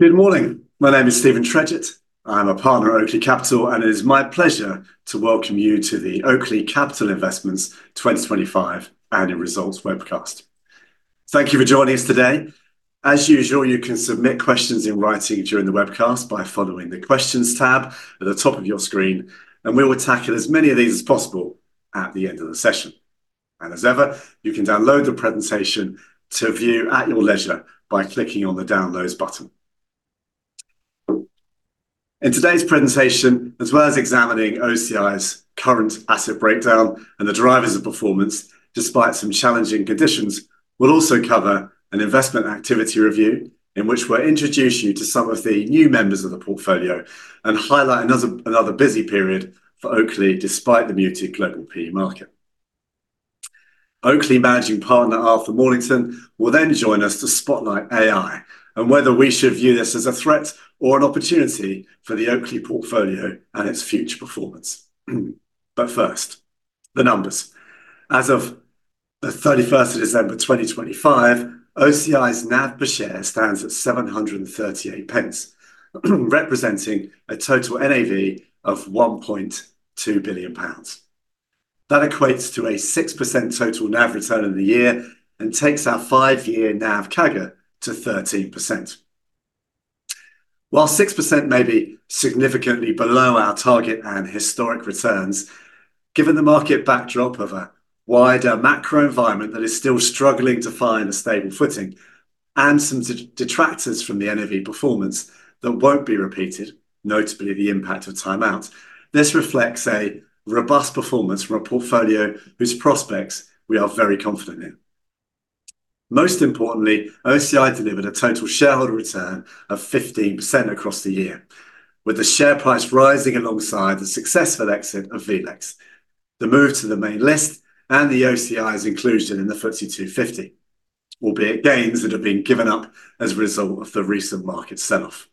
Good morning. My name is Steven Tredget. I'm a partner at Oakley Capital, and it is my pleasure to welcome you to the Oakley Capital investments 2025 annual results webcast. Thank you for joining us today. As usual, you can submit questions in writing during the webcast by following the Questions tab at the top of your screen, and we will tackle as many of these as possible at the end of the session. As ever, you can download the presentation to view at your leisure by clicking on the Downloads button. In today's presentation, as well as examining OCI's current asset breakdown and the drivers of performance despite some challenging conditions, we'll also cover an investment activity review, in which we'll introduce you to some of the new members of the portfolio and highlight another busy period for Oakley despite the muted global PE market. Oakley Managing Partner Arthur Mornington will then join us to spotlight AI and whether we should view this as a threat or an opportunity for the Oakley portfolio and its future performance. First, the numbers. As of the December 31st 2025, OCI's NAV per share stands at 738 pence representing a total NAV of 1.2 billion pounds. That equates to a 6% total NAV return in the year and takes our five-year NAV CAGR to 13%. While 6% may be significantly below our target and historic returns, given the market backdrop of a wider macro environment that is still struggling to find a stable footing and some detractors from the NAV performance that won't be repeated, notably the impact of Time Out's. This reflects a robust performance from a portfolio whose prospects we are very confident in. Most importantly, OCI delivered a total shareholder return of 15% across the year, with the share price rising alongside the successful exit of vLex, the move to the main list and the OCI's inclusion in the FTSE 250, albeit gains that have been given up as a result of the recent market sell-off.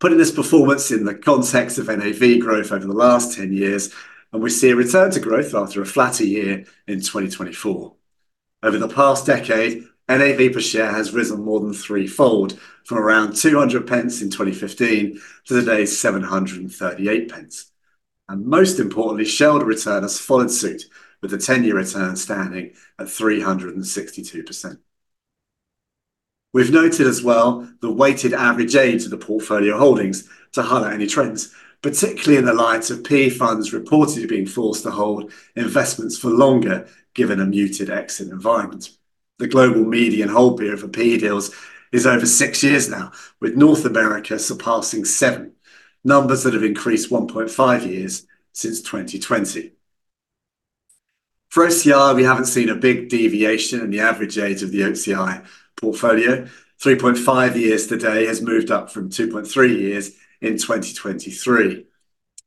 Putting this performance in the context of NAV growth over the last 10 years, and we see a return to growth after a flatter year in 2024. Over the past decade, NAV per share has risen more than threefold from around 200 pence in 2015 to today's 738 pence. Most importantly, shareholder return has followed suit, with the 10-year return standing at 362%. We've noted as well the weighted average age of the portfolio holdings to highlight any trends, particularly in the light of PE funds reportedly being forced to hold investments for longer given a muted exit environment. The global median hold period for PE deals is over six years now, with North America surpassing seven, numbers that have increased 1.5 years since 2020. For OCI, we haven't seen a big deviation in the average age of the OCI portfolio. 3.5 years today has moved up from 2.3 years in 2023.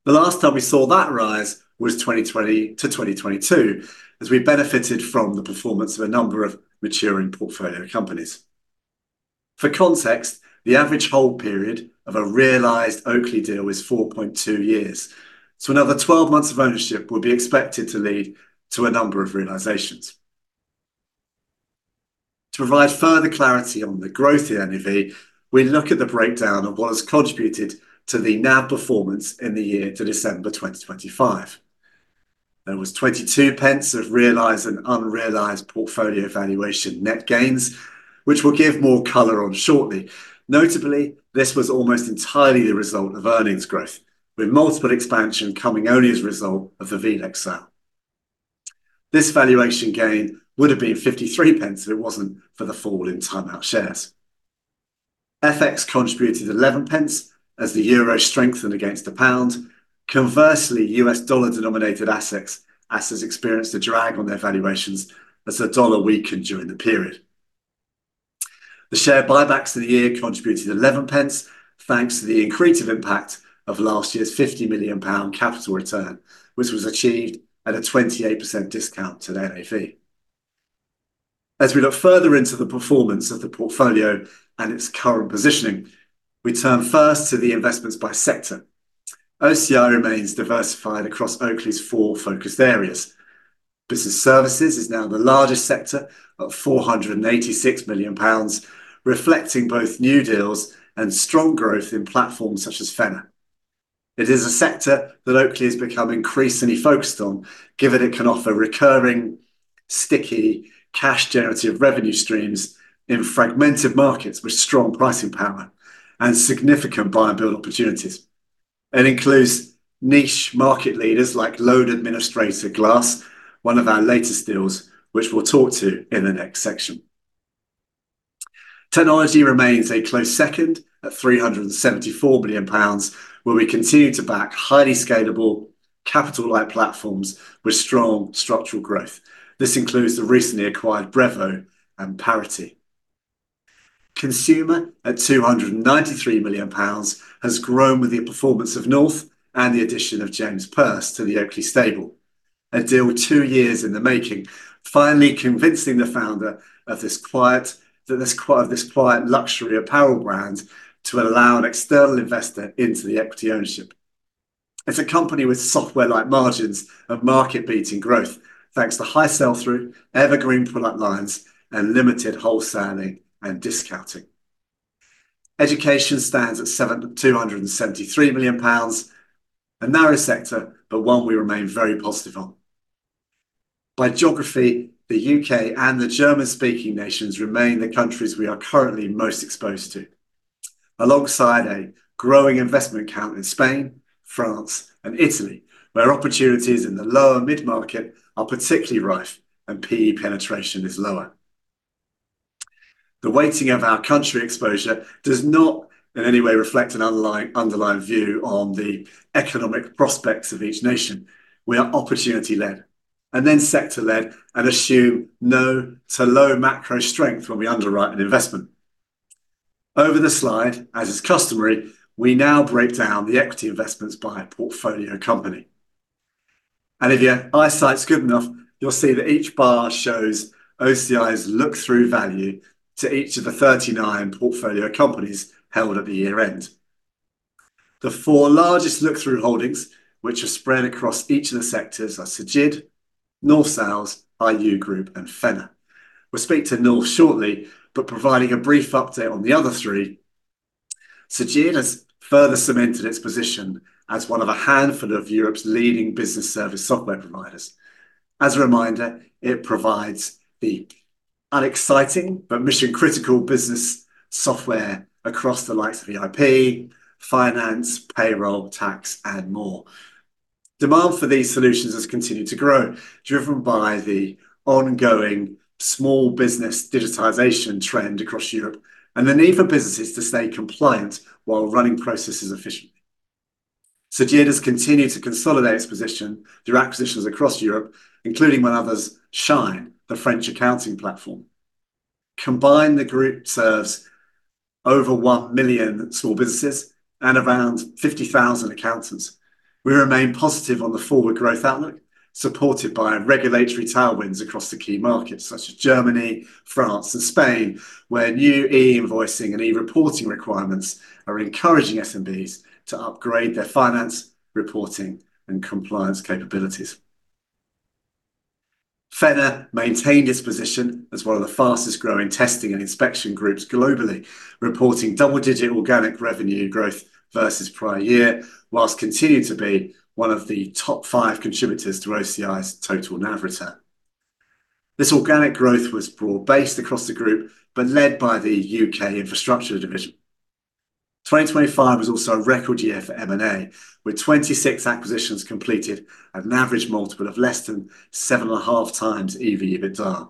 The last time we saw that rise was 2020-2022, as we benefited from the performance of a number of maturing portfolio companies. For context, the average hold period of a realized Oakley deal is 4.2 years, so another 12 months of ownership would be expected to lead to a number of realizations. To provide further clarity on the growth in NAV, we look at the breakdown of what has contributed to the NAV performance in the year to December 2025. There was 0.22 of realized and unrealized portfolio valuation net gains, which we'll give more color on shortly. Notably, this was almost entirely the result of earnings growth, with multiple expansion coming only as a result of the vLex sale. This valuation gain would have been 0.53 if it wasn't for the fall in Time Out shares. FX contributed 0.11 as the euro strengthened against the pound. Conversely, U.S. dollar-denominated assets experienced a drag on their valuations as the dollar weakened during the period. The share buybacks for the year contributed 0.11, thanks to the accretive impact of last year's 50 million pound capital return, which was achieved at a 28% discount to the NAV. As we look further into the performance of the portfolio and its current positioning, we turn first to the investments by sector. OCI remains diversified across Oakley's four focused areas. Business services is now the largest sector at 486 million pounds, reflecting both new deals and strong growth in platforms such as Phenna. It is a sector that Oakley has become increasingly focused on, given it can offer recurring, sticky cash generative revenue streams in fragmented markets with strong pricing power and significant buy and build opportunities. It includes niche market leaders like loan administrator GLAS, one of our latest deals, which we'll talk to in the next section. Technology remains a close second at 374 million pounds, where we continue to back highly scalable capital-light platforms with strong structural growth. This includes the recently acquired Brevo and Paraty. Consumer, at 293 million pounds, has grown with the performance of North and the addition of James Perse to the Oakley stable, a deal two years in the making, finally convincing the founder of this quiet luxury apparel brand to allow an external investor into the equity ownership. It's a company with software-like margins of market-beating growth thanks to high sell-through, evergreen product lines, and limited wholesaling and discounting. Education stands at 273 million pounds, a narrow sector, but one we remain very positive on. By geography, the UK and the German-speaking nations remain the countries we are currently most exposed to, alongside a growing investment count in Spain, France, and Italy, where opportunities in the lower mid-market are particularly rife and PE penetration is lower. The weighting of our country exposure does not in any way reflect an underlying view on the economic prospects of each nation. We are opportunity-led and then sector-led and assume no to low macro strength when we underwrite an investment. Over the slide, as is customary, we now break down the equity investments by portfolio company. If your eyesight's good enough, you'll see that each bar shows OCI's look-through value to each of the 39 portfolio companies held at the year-end. The four largest look-through holdings, which are spread across each of the sectors, are Cegid, North Sails, IU Group, and Phenna Group. We'll speak to North shortly, but providing a brief update on the other three, Cegid has further cemented its position as one of a handful of Europe's leading business service software providers. As a reminder, it provides the unexciting but mission-critical business software across the likes of ERP, finance, payroll, tax, and more. Demand for these solutions has continued to grow, driven by the ongoing small business digitization trend across Europe and the need for businesses to stay compliant while running processes efficiently. Cegid has continued to consolidate its position through acquisitions across Europe, including one other, Shine, the French accounting platform. Combined, the group serves over 1 million small businesses and around 50,000 accountants. We remain positive on the forward growth outlook, supported by regulatory tailwinds across the key markets such as Germany, France, and Spain, where new e-invoicing and e-reporting requirements are encouraging SMBs to upgrade their finance, reporting, and compliance capabilities. Phenna maintained its position as one of the fastest-growing testing and inspection groups globally, reporting double-digit organic revenue growth versus prior year, while continuing to be one of the top five contributors to OCI's total NAV return. This organic growth was broad-based across the group but led by the UK infrastructure division. 2025 was also a record year for M&A, with 26 acquisitions completed at an average multiple of less than 7.5x EV/EBITDA.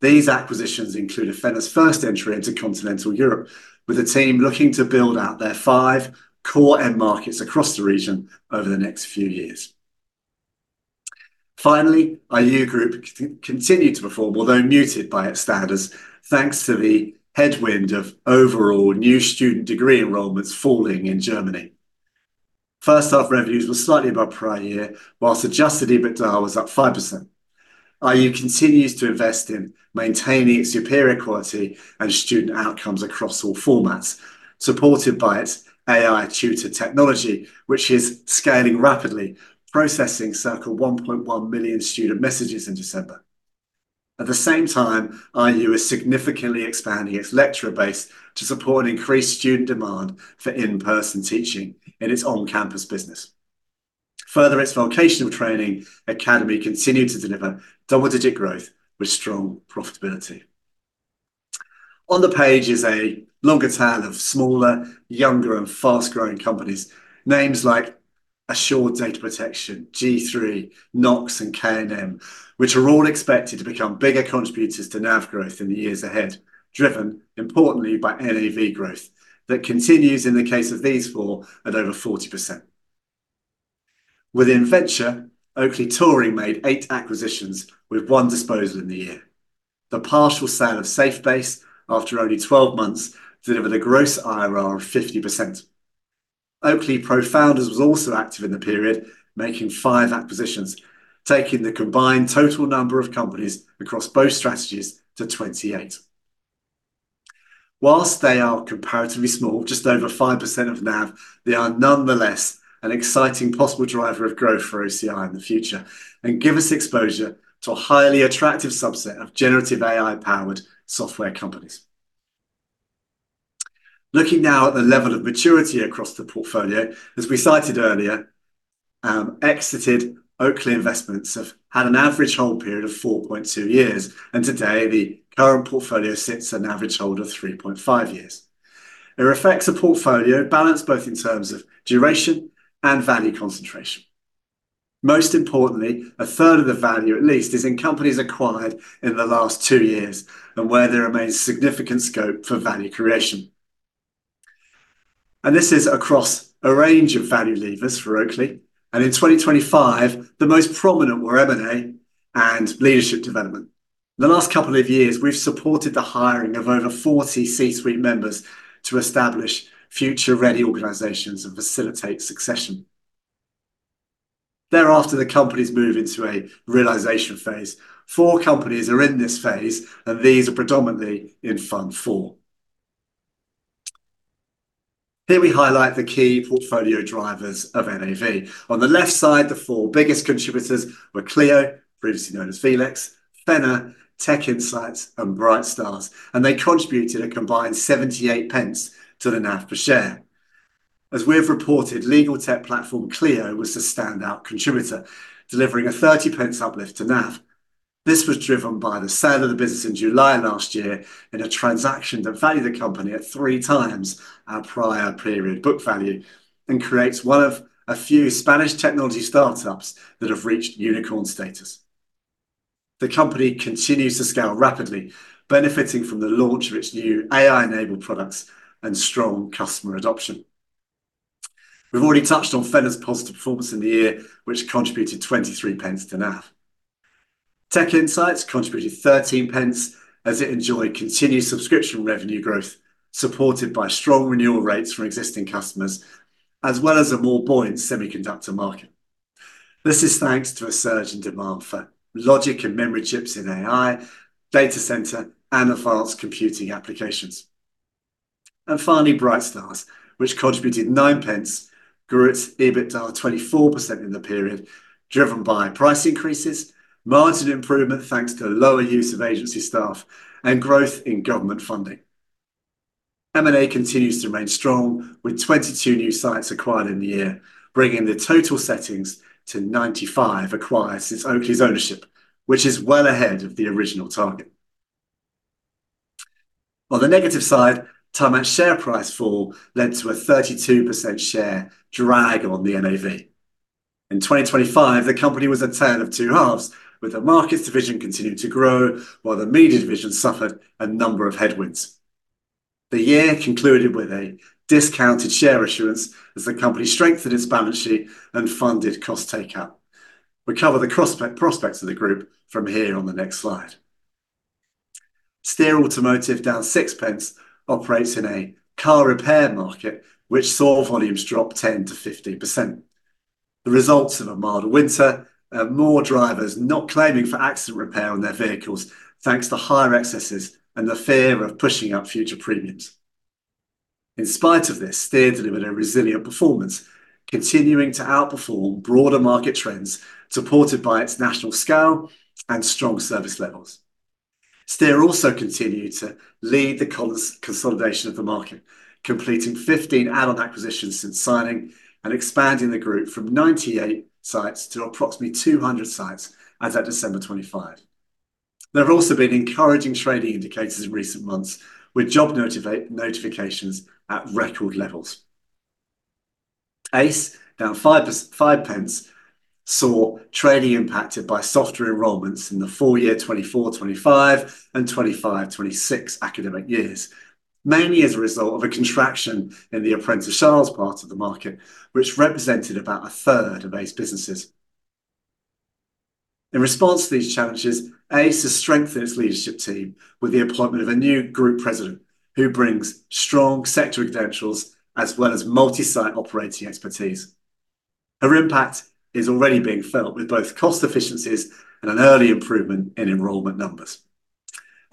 These acquisitions include Phenna's first entry into continental Europe, with a team looking to build out their five core end markets across the region over the next few years. Finally, IU Group continued to perform, although muted by its standards, thanks to the headwind of overall new student degree enrollments falling in Germany. H1 revenues were slightly above prior year, while Adjusted EBITDA was up 5%. IU continues to invest in maintaining its superior quality and student outcomes across all formats, supported by its AI tutor technology, which is scaling rapidly, processing circa 1.1 million student messages in December. At the same time, IU is significantly expanding its lecturer base to support an increased student demand for in-person teaching in its on-campus business. Further, its vocational training academy continued to deliver double-digit growth with strong profitability. On the page is a longer tail of smaller, younger, and fast-growing companies, names like Assured Data Protection, G3, Nox, and K&M, which are all expected to become bigger contributors to NAV growth in the years ahead, driven importantly by NAV growth that continues in the case of these four at over 40%. Within Venture, Oakley Touring made eight acquisitions with one disposal in the year. The partial sale of SafeBase after only 12 months delivered a gross IRR of 50%. Oakley PROfounders was also active in the period, making five acquisitions, taking the combined total number of companies across both strategies to 28. While they are comparatively small, just over 5% of NAV, they are nonetheless an exciting possible driver of growth for OCI in the future and give us exposure to a highly attractive subset of generative AI-powered software companies. Looking now at the level of maturity across the portfolio, as we cited earlier, exited Oakley investments have had an average hold period of 4.2 years, and today the current portfolio sits at an average hold of 3.5 years. It reflects a portfolio balanced both in terms of duration and value concentration. Most importantly, a third of the value at least is in companies acquired in the last two years and where there remains significant scope for value creation. This is across a range of value levers for Oakley, and in 2025, the most prominent were M&A and leadership development. In the last couple of years, we've supported the hiring of over 40 C-suite members to establish future-ready organizations and facilitate succession. Thereafter, the companies move into a realization phase. Four companies are in this phase, and these are predominantly in Fund IV. Here we highlight the key portfolio drivers of NAV. On the left side, the four biggest contributors were Clio, previously known as Felix, Phenna, TechInsights, and Bright Stars. They contributed a combined 0.78 to the NAV per share. As we have reported, legal tech platform Clio was the standout contributor, delivering a 0.30 uplift to NAV. This was driven by the sale of the business in July last year in a transaction that valued the company at 3x our prior period book value and creates one of a few Spanish technology startups that have reached unicorn status. The company continues to scale rapidly, benefiting from the launch of its new AI-enabled products and strong customer adoption. We have already touched on Phenna's positive performance in the year, which contributed 0.23 to NAV. TechInsights contributed 0.13 as it enjoyed continued subscription revenue growth, supported by strong renewal rates from existing customers as well as a more buoyant semiconductor market. This is thanks to a surge in demand for logic and memory chips in AI, data center, and advanced computing applications. Finally, Bright Stars, which contributed nine pence, grew its EBITDA 24% in the period, driven by price increases, margin improvement thanks to lower use of agency staff, and growth in government funding. M&A continues to remain strong, with 22 new sites acquired in the year, bringing the total settings to 95 acquired since Oakley's ownership, which is well ahead of the original target. On the negative side, Time Out share price fall led to a 32% share drag on the NAV. In 2025, the company was a tale of two halves, with the markets division continuing to grow while the media division suffered a number of headwinds. The year concluded with a discounted share issuance as the company strengthened its balance sheet and funded cost takeout. We cover the current prospects of the group from here on the next slide. Steer Automotive Group, down 6 pence, operates in a car repair market which saw volumes drop 10%-15%. The results of a mild winter and more drivers not claiming for accident repair on their vehicles thanks to higher excesses and the fear of pushing up future premiums. In spite of this, Steer Automotive Group delivered a resilient performance, continuing to outperform broader market trends supported by its national scale and strong service levels. Steer Automotive Group also continued to lead the consolidation of the market, completing 15 add-on acquisitions since signing and expanding the group from 98 sites to approximately 200 sites as at December 2025. There have also been encouraging trading indicators in recent months, with job notifications at record levels. ACE, down 0.05, saw trading impacted by softer enrollments in the full year 2024/2025 and 2025/2026 academic years, mainly as a result of a contraction in the apprentice sales part of the market, which represented about a third of ACE businesses. In response to these challenges, ACE has strengthened its leadership team with the appointment of a new group president who brings strong sector credentials as well as multi-site operating expertise. Her impact is already being felt with both cost efficiencies and an early improvement in enrollment numbers.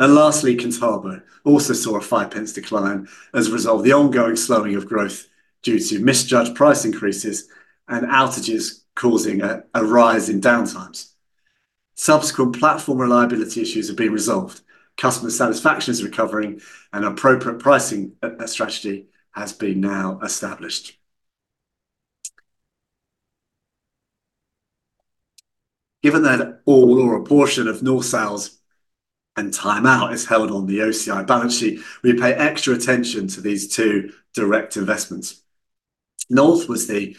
Lastly, Contabo also saw a 0.05 decline as a result of the ongoing slowing of growth due to misjudged price increases and outages causing a rise in downtimes. Subsequent platform reliability issues have been resolved. Customer satisfaction is recovering, and appropriate pricing strategy has been now established. Given that all or a portion of North Sails and Time Out is held on the OCI balance sheet, we pay extra attention to these two direct investments. North was the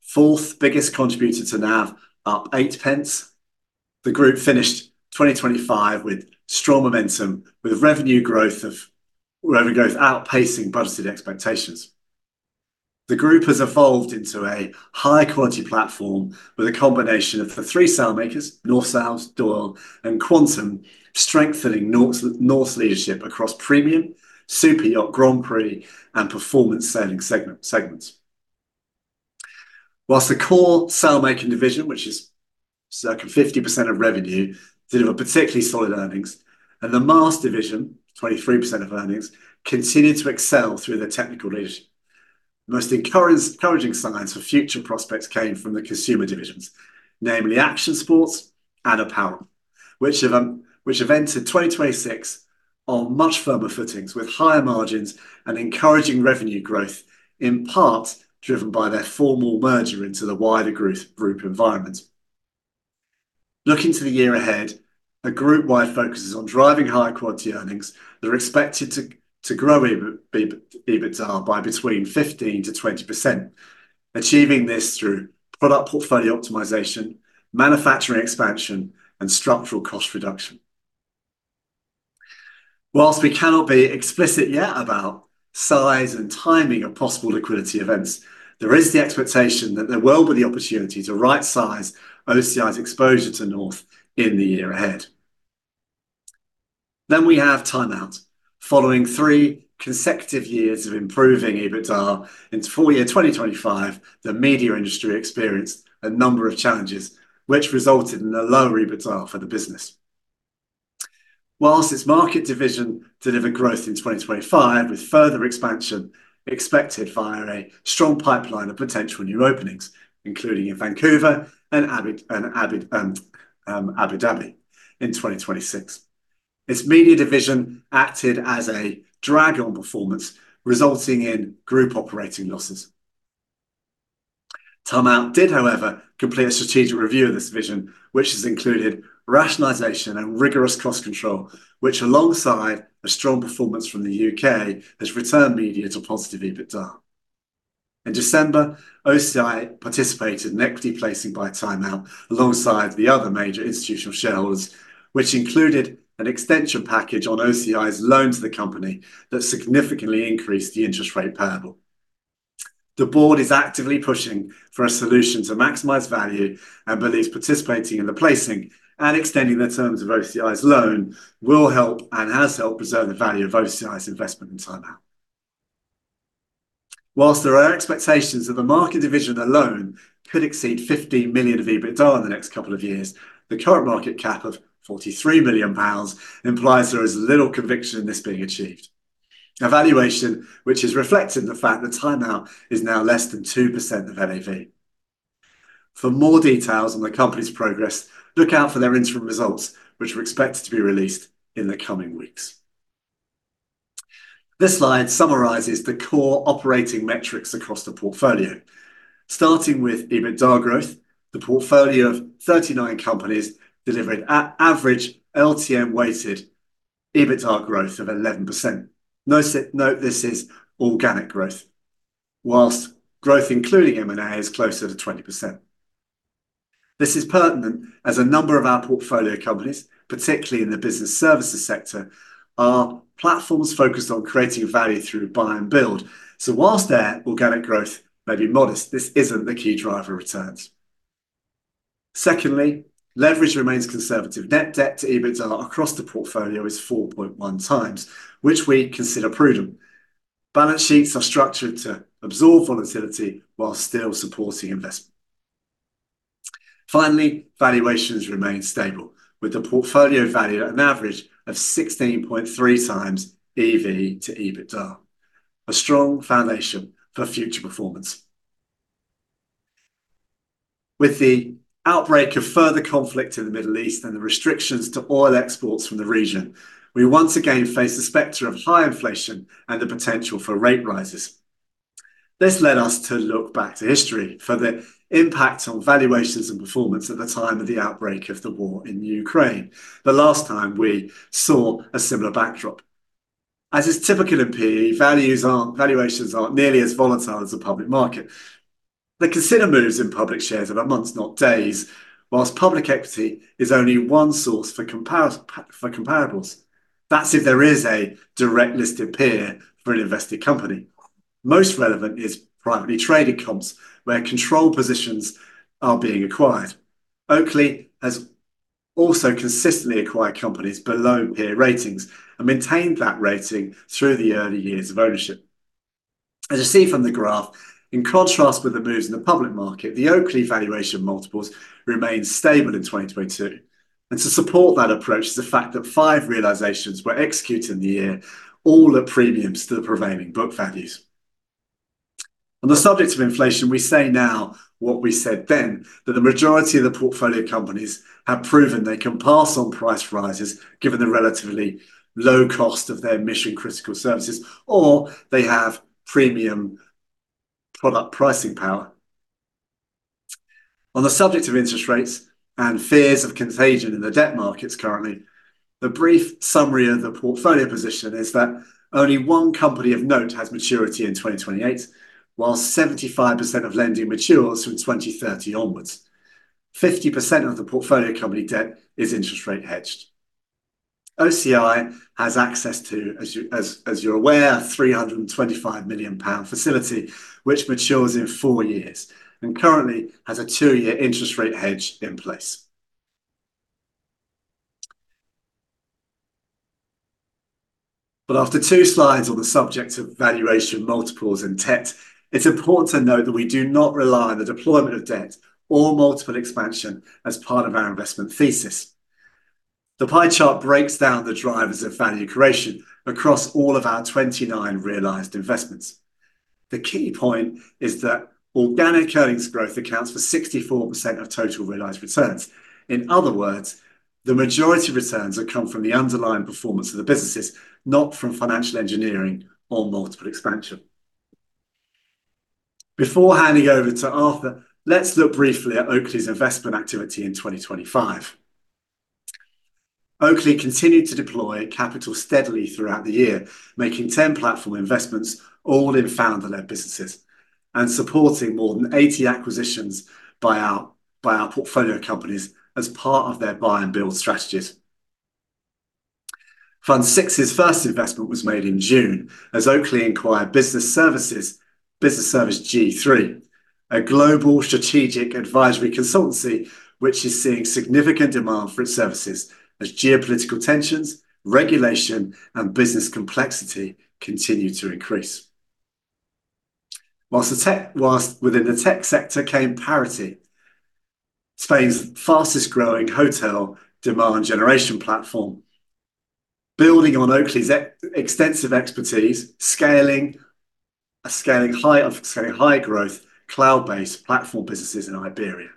fourth biggest contributor to NAV, up eight pence. The group finished 2025 with strong momentum, with revenue growth outpacing budgeted expectations. The group has evolved into a high-quality platform with a combination of the three sail makers, North Sails, Doyle Sails, and Quantum Sails, strengthening North's leadership across premium, super yacht, Grand Prix, and performance sailing segments. While the core sail-making division, which is circa 50% of revenue, delivered particularly solid earnings, and the mast division, 23% of earnings, continued to excel through their technical leadership. The most encouraging signs for future prospects came from the consumer divisions, namely Action Sports and Apparel, which have entered 2026 on much firmer footings with higher margins and encouraging revenue growth, in part driven by their formal merger into the wider group environment. Looking to the year ahead, a group-wide focus is on driving high-quality earnings that are expected to grow EBITDA by between 15%-20%, achieving this through product portfolio optimization, manufacturing expansion, and structural cost reduction. While we cannot be explicit yet about size and timing of possible liquidity events, there is the expectation that there will be the opportunity to rightsize OCI's exposure to North Sails in the year ahead. We have Time Out. Following three consecutive years of improving EBITDA, in full year 2025, the media industry experienced a number of challenges which resulted in a low EBITDA for the business. While its market division delivered growth in 2025, with further expansion expected via a strong pipeline of potential new openings, including in Vancouver and Abu Dhabi in 2026. Its media division acted as a drag on performance, resulting in group operating losses. Time Out did, however, complete a strategic review of this division, which has included rationalization and rigorous cost control, which alongside a strong performance from the UK, has returned media to positive EBITDA. In December, OCI participated in an equity placing by Time Out alongside the other major institutional shareholders, which included an extension package on OCI's loan to the company that significantly increased the interest rate payable. The board is actively pushing for a solution to maximize value and believes participating in the placing and extending the terms of OCI's loan will help and has helped preserve the value of OCI's investment in Time Out. While there are expectations that the market division alone could exceed 50 million of EBITDA in the next couple of years, the current market cap of 43 million pounds implies there is little conviction in this being achieved. A valuation which has reflected the fact that Time Out is now less than 2% of NAV. For more details on the company's progress, look out for their interim results, which are expected to be released in the coming weeks. This slide summarizes the core operating metrics across the portfolio. Starting with EBITDA growth, the portfolio of 39 companies delivered at average LTM-weighted EBITDA growth of 11%. Note this is organic growth. While growth including M&A is closer to 20%. This is pertinent as a number of our portfolio companies, particularly in the business services sector, are platforms focused on creating value through buy and build. While their organic growth may be modest, this isn't the key driver of returns. Secondly, leverage remains conservative. Net debt to EBITDA across the portfolio is 4.1x, which we consider prudent. Balance sheets are structured to absorb volatility while still supporting investment. Finally, valuations remain stable, with the portfolio valued at an average of 16.3x EV to EBITDA, a strong foundation for future performance. With the outbreak of further conflict in the Middle East and the restrictions to oil exports from the region, we once again face the specter of high inflation and the potential for rate rises. This led us to look back to history for the impact on valuations and performance at the time of the outbreak of the war in Ukraine, the last time we saw a similar backdrop. As is typical in PE, valuations aren't nearly as volatile as the public market. They consider moves in public shares over months, not days, whilst public equity is only one source for comparables. That's if there is a direct listed peer for an invested company. Most relevant is privately traded comps, where control positions are being acquired. Oakley has also consistently acquired companies below peer ratings and maintained that rating through the early years of ownership. As you see from the graph, in contrast with the moves in the public market, the Oakley valuation multiples remained stable in 2022. To support that approach is the fact that 5 realizations were executed in the year, all at premiums to the prevailing book values. On the subject of inflation, we say now what we said then, that the majority of the portfolio companies have proven they can pass on price rises given the relatively low cost of their mission-critical services, or they have premium product pricing power. On the subject of interest rates and fears of contagion in the debt markets currently, the brief summary of the portfolio position is that only one company of note has maturity in 2028, while 75% of lending matures from 2030 onwards. 50% of the portfolio company debt is interest rate hedged. OCI has access to, as you're aware, 325 million pound facility, which matures in four years and currently has a two-year interest rate hedge in place. After two slides on the subject of valuation multiples and debt, it's important to note that we do not rely on the deployment of debt or multiple expansion as part of our investment thesis. The pie chart breaks down the drivers of value creation across all of our 29 realized investments. The key point is that organic earnings growth accounts for 64% of total realized returns. In other words, the majority of returns have come from the underlying performance of the businesses, not from financial engineering or multiple expansion. Before handing over to Arthur, let's look briefly at Oakley's investment activity in 2025. Oakley continued to deploy capital steadily throughout the year, making 10 platform investments, all in founder-led businesses, and supporting more than 80 acquisitions by our portfolio companies as part of their buy and build strategies. Fund VI first investment was made in June as Oakley acquired business service G3. A global strategic advisory consultancy which is seeing significant demand for its services as geopolitical tensions, regulation, and business complexity continue to increase. While within the tech sector came Paraty, Spain's fastest-growing hotel demand generation platform. Building on Oakley's extensive expertise scaling high-growth cloud-based platform businesses in Iberia.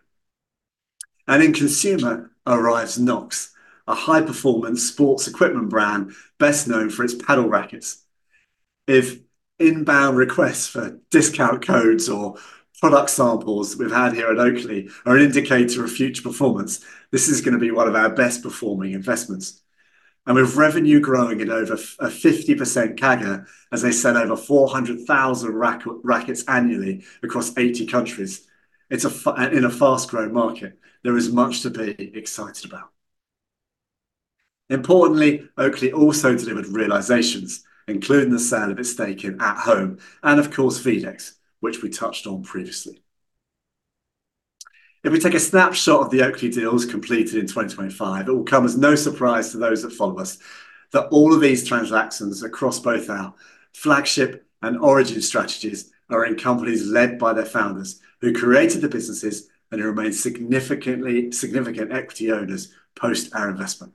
In consumer arrives Nox, a high-performance sports equipment brand best known for its padel rackets. If inbound requests for discount codes or product samples we've had here at Oakley are an indicator of future performance, this is gonna be one of our best-performing investments. With revenue growing at over a 50% CAGR, as they sell over 400,000 rackets annually across 80 countries, in a fast-growing market, there is much to be excited about. Importantly, Oakley also delivered realizations, including the sale of its stake in atHome, and of course, vLex, which we touched on previously. If we take a snapshot of the Oakley deals completed in 2025, it will come as no surprise to those that follow us that all of these transactions across both our flagship and origin strategies are in companies led by their founders who created the business and who remain significant equity owners post our investment.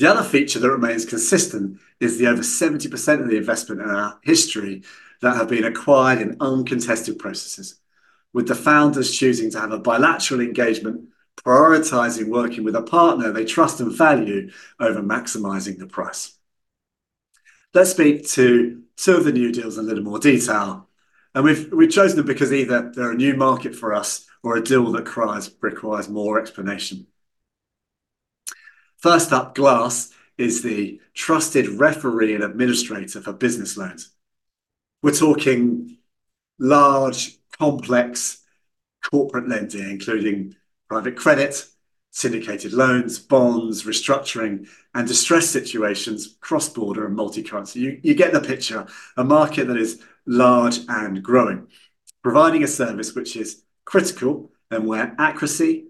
The other feature that remains consistent is the over 70% of the investment in our history that have been acquired in uncontested processes, with the founders choosing to have a bilateral engagement, prioritizing working with a partner they trust and value over maximizing the price. Let's speak to two of the new deals in a little more detail. We've chosen them because either they're a new market for us or a deal that requires more explanation. First up, GLAS is the trusted referee and administrator for business loans. We're talking large, complex corporate lending, including private credit, syndicated loans, bonds, restructuring, and distress situations, cross-border and multi-currency. You get the picture. A market that is large and growing. Providing a service which is critical and where accuracy,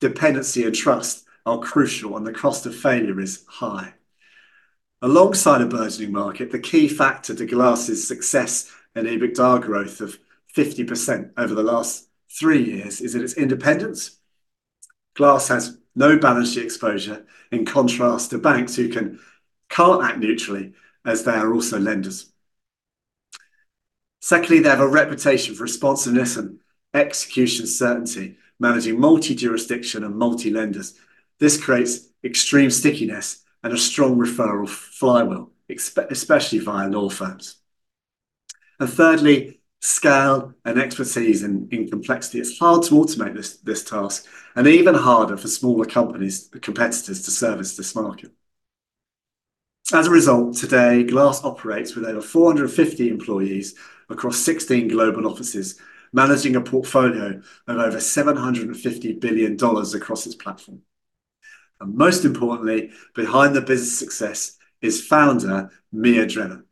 dependency, and trust are crucial, and the cost of failure is high. Alongside a burgeoning market, the key factor to GLAS's success and EBITDA growth of 50% over the last three years is that it's independent. GLAS has no balance sheet exposure, in contrast to banks who can't act neutrally as they are also lenders. Secondly, they have a reputation for responsiveness and execution certainty, managing multi-jurisdiction and multi-lenders. This creates extreme stickiness and a strong referral flywheel, especially via law firms. Thirdly, scale and expertise in complexity. It's hard to automate this task, and even harder for smaller companies or competitors to service this market. As a result, today, GLAS operates with over 450 employees across 16 global offices, managing a portfolio of over $750 billion across its platform. Most importantly, behind the business success is founder Mia Drennan,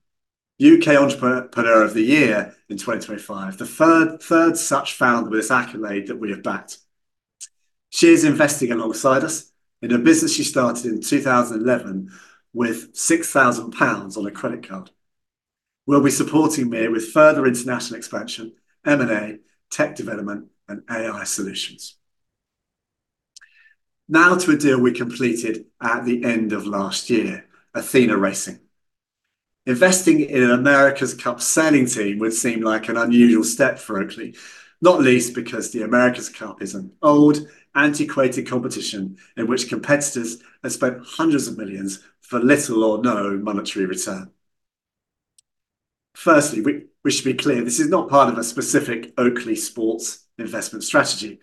UK Entrepreneur of the Year in 2025. The third such founder with this accolade that we have backed. She is investing alongside us in a business she started in 2011 with 6,000 pounds on a credit card. We'll be supporting Mia with further international expansion, M&A, tech development, and AI solutions. Now to a deal we completed at the end of last year, Athena Racing. Investing in America's Cup sailing team would seem like an unusual step for Oakley, not least because the America's Cup is an old, antiquated competition in which competitors have spent $ hundreds of millions for little or no monetary return. First, we should be clear, this is not part of a specific Oakley sports investment strategy.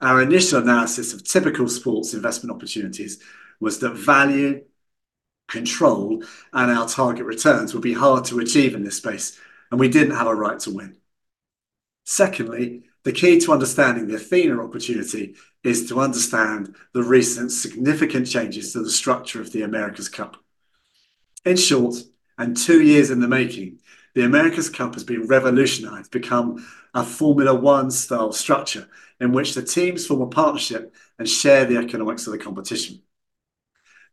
Our initial analysis of typical sports investment opportunities was that value, control, and our target returns would be hard to achieve in this space, and we didn't have a right to win. Secondly, the key to understanding the Athena opportunity is to understand the recent significant changes to the structure of the America's Cup. In short, and two years in the making, the America's Cup has been revolutionized to become a Formula One-style structure in which the teams form a partnership and share the economics of the competition.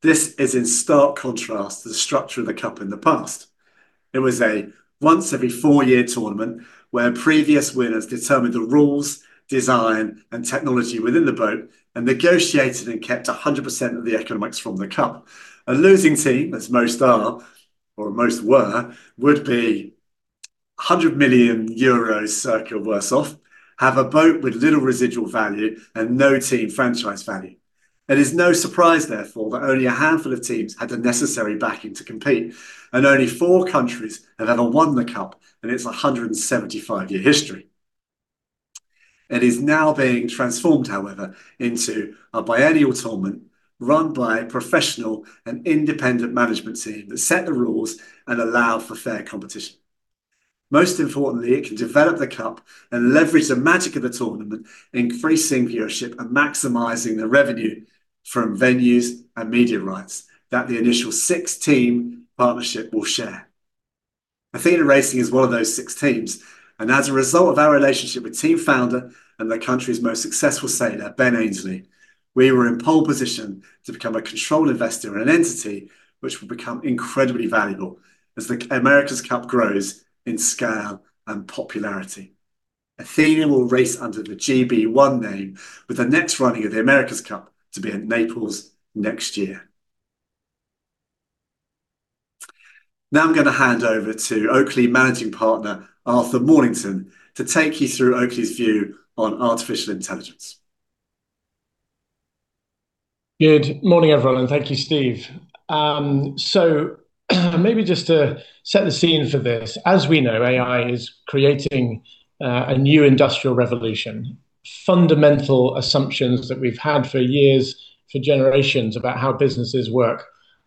This is in stark contrast to the structure of the cup in the past. It was a once every four-year tournament where previous winners determined the rules, design, and technology within the boat and negotiated and kept 100% of the economics from the cup. A losing team, as most are or most were, would be 100 million euros circa worse off, have a boat with little residual value, and no team franchise value. It is no surprise, therefore, that only a handful of teams had the necessary backing to compete, and only four countries have ever won the Cup in its 175-year history. It is now being transformed, however, into a biennial tournament run by a professional and independent management team that set the rules and allow for fair competition. Most importantly, it can develop the Cup and leverage the magic of the tournament, increasing viewership and maximizing the revenue from venues and media rights that the initial six-team partnership will share. Athena Racing is one of those six teams, and as a result of our relationship with team founder and the country's most successful sailor, Ben Ainslie, we were in pole position to become a control investor in an entity which will become incredibly valuable as the America's Cup grows in scale and popularity. Athena will race under the GB One name, with the next running of the America's Cup to be in Naples next year. Now I'm gonna hand over to Oakley Managing Partner, Arthur Mornington, to take you through Oakley's view on artificial intelligence. Good morning, everyone, and thank you, Steve. Maybe just to set the scene for this. As we know, AI is creating a new industrial revolution. Fundamental assumptions that we've had for years, for generations, about how businesses work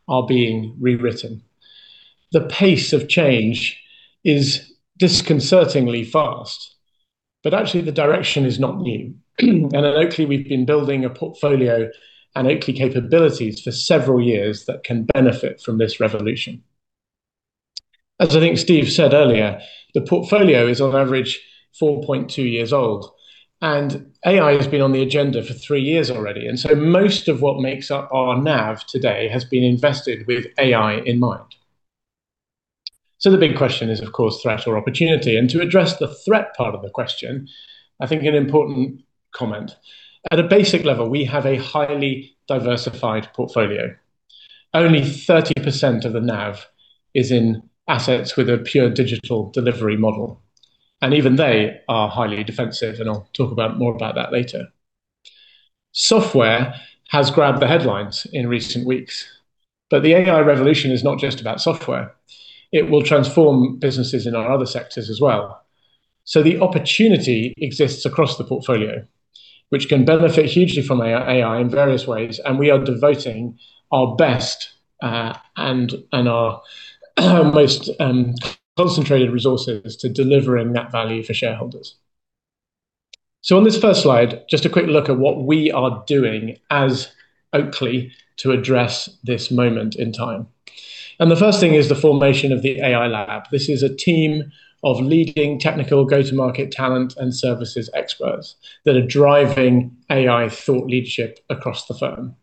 are being rewritten. The pace of change is disconcertingly fast. Actually, the direction is not new. At Oakley, we've been building a portfolio and Oakley capabilities for several years that can benefit from this revolution. As I think Steve said earlier, the portfolio is on average 4.2 years old, and AI has been on the agenda for three years already. Most of what makes up our NAV today has been invested with AI in mind. The big question is, of course, threat or opportunity. To address the threat part of the question, I think an important comment. At a basic level, we have a highly diversified portfolio. Only 30% of the NAV is in assets with a pure digital delivery model, and even they are highly defensive, and I'll talk more about that later. Software has grabbed the headlines in recent weeks, but the AI revolution is not just about software. It will transform businesses in our other sectors as well. The opportunity exists across the portfolio, which can benefit hugely from AI in various ways, and we are devoting our best and our most concentrated resources to delivering that value for shareholders. On this first slide, just a quick look at what we are doing as Oakley to address this moment in time. The first thing is the formation of the AI Lab. This is a team of leading technical go-to-market talent and services experts that are driving AI thought leadership across the firm.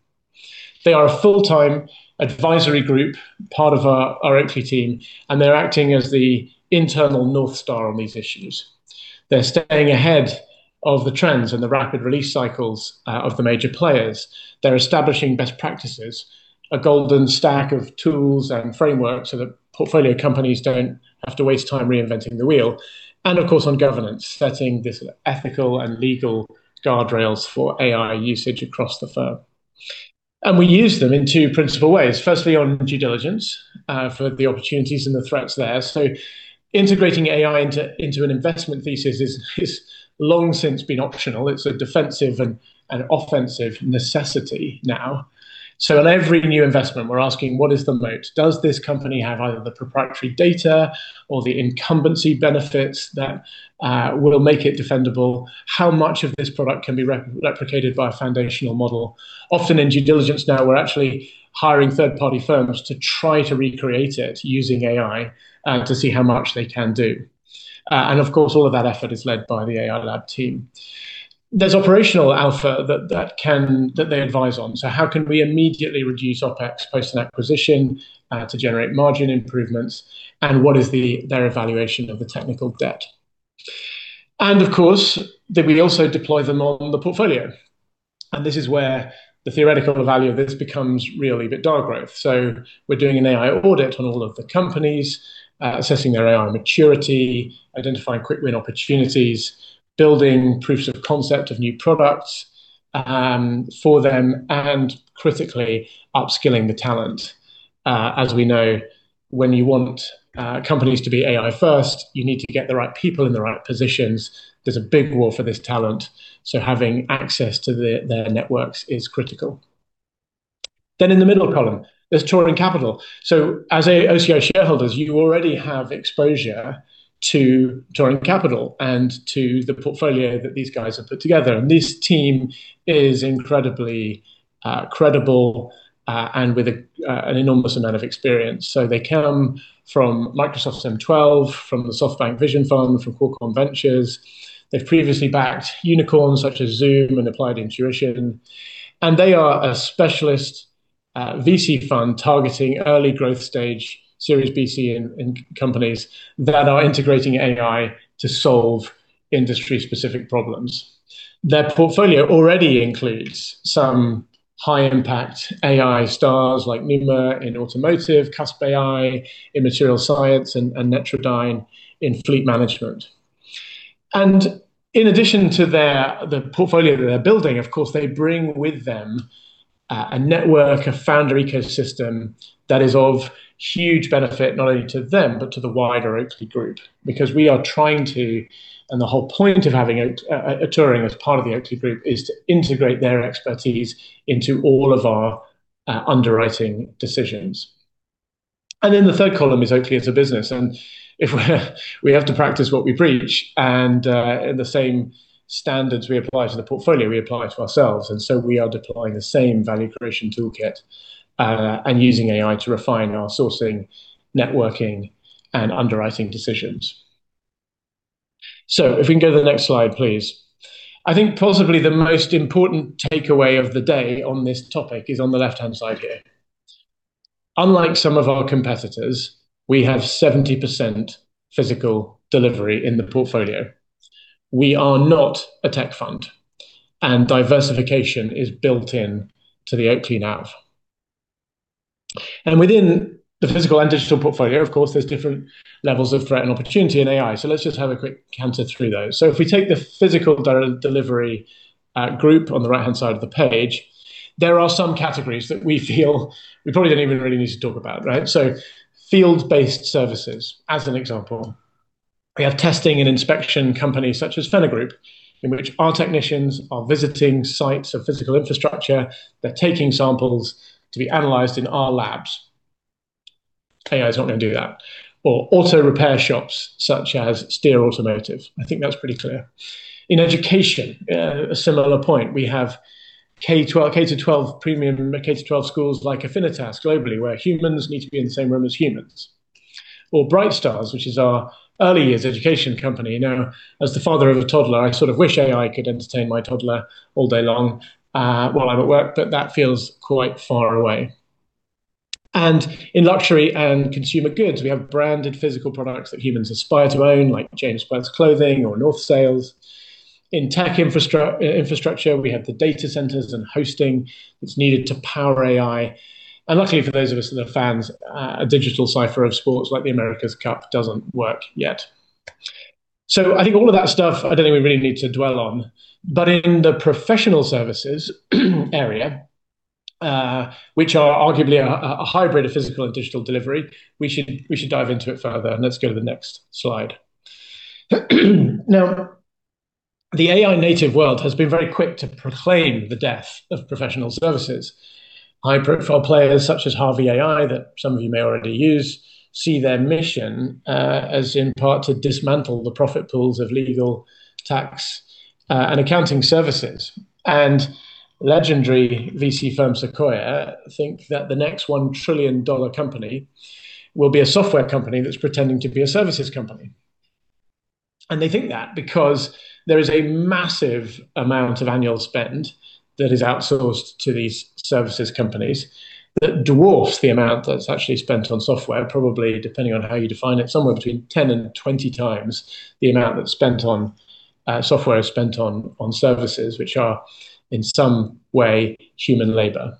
They are a full-time advisory group, part of our Oakley team, and they're acting as the internal North Star on these issues. They're staying ahead of the trends and the rapid release cycles of the major players. They're establishing best practices, a golden stack of tools and frameworks so that portfolio companies don't have to waste time reinventing the wheel. Of course, on governance, setting this ethical and legal guardrails for AI usage across the firm. We use them in two principal ways. Firstly, on due diligence, for the opportunities and the threats there. Integrating AI into an investment thesis is long since been optional. It's a defensive and offensive necessity now. On every new investment, we're asking, what is the moat? Does this company have either the proprietary data or the incumbency benefits that will make it defendable? How much of this product can be replicated by a foundational model? Often in due diligence now, we're actually hiring third-party firms to try to recreate it using AI, to see how much they can do. Of course, all of that effort is led by the Oakley AI Lab team. There's operational alpha that they advise on. How can we immediately reduce OpEx post an acquisition to generate margin improvements? What is their evaluation of the technical debt? Of course, we also deploy them on the portfolio, and this is where the theoretical value of this becomes really the real growth. We're doing an AI audit on all of the companies, assessing their AI maturity, identifying quick win opportunities, building proofs of concept of new products, for them, and critically upskilling the talent. As we know, when you want companies to be AI first, you need to get the right people in the right positions. There's a big war for this talent, so having access to their networks is critical. In the middle column, there's Turing Capital. As OCI shareholders, you already have exposure to Turing Capital and to the portfolio that these guys have put together. This team is incredibly credible, and with an enormous amount of experience. They come from Microsoft's M12, from the SoftBank Vision Fund, from Qualcomm Ventures. They've previously backed unicorns such as Zoom and Applied Intuition, and they are a specialist VC fund targeting early growth stage Series B, C in companies that are integrating AI to solve industry-specific problems. Their portfolio already includes some high-impact AI stars like Numa in automotive, CuspAI in material science, and Netradyne in fleet management. In addition to their portfolio that they're building, of course, they bring with them a network, a founder ecosystem that is of huge benefit not only to them but to the wider Oakley group. Because we are trying to, and the whole point of having Turing as part of the Oakley group, is to integrate their expertise into all of our underwriting decisions. Then the third column is Oakley as a business. If we have to practice what we preach, and the same standards we apply to the portfolio, we apply to ourselves. We are deploying the same value creation toolkit, and using AI to refine our sourcing, networking, and underwriting decisions. If we can go to the next slide, please. I think possibly the most important takeaway of the day on this topic is on the left-hand side here. Unlike some of our competitors, we have 70% physical delivery in the portfolio. We are not a tech fund, and diversification is built-in to the Oakley NAV. Within the physical and digital portfolio, of course, there's different levels of threat and opportunity in AI. Let's just have a quick canter through those. If we take the physical delivery group on the right-hand side of the page, there are some categories that we feel we probably don't even really need to talk about, right? Field-based services as an example. We have testing and inspection companies such as Phenna Group, in which our technicians are visiting sites of physical infrastructure. They're taking samples to be analyzed in our labs. AI is not gonna do that. Auto repair shops such as Steer Automotive Group. I think that's pretty clear. In education, a similar point. We have K-12 premium or K-12 schools like Affinitas Group globally, where humans need to be in the same room as humans. Bright Stars Group, which is our early years education company. Now, as the father of a toddler, I sort of wish AI could entertain my toddler all day long, while I'm at work, but that feels quite far away. In luxury and consumer goods, we have branded physical products that humans aspire to own, like James Perse clothing or North Sails. In tech infrastructure, we have the data centers and hosting that's needed to power AI. Luckily for those of us that are fans, a digital cipher of sports like the America's Cup doesn't work yet. I think all of that stuff, I don't think we really need to dwell on. In the professional services area, which are arguably a hybrid of physical and digital delivery, we should dive into it further, and let's go to the next slide. Now, the AI native world has been very quick to proclaim the death of professional services. High-profile players such as Harvey AI, that some of you may already use, see their mission, as in part to dismantle the profit pools of legal, tax, and accounting services. Legendary VC firm Sequoia think that the next 1 trillion dollar company will be a software company that's pretending to be a services company. They think that because there is a massive amount of annual spend that is outsourced to these services companies that dwarfs the amount that's actually spent on software, probably depending on how you define it, somewhere between 10 and 20x the amount that's spent on services, which are in some way human labor.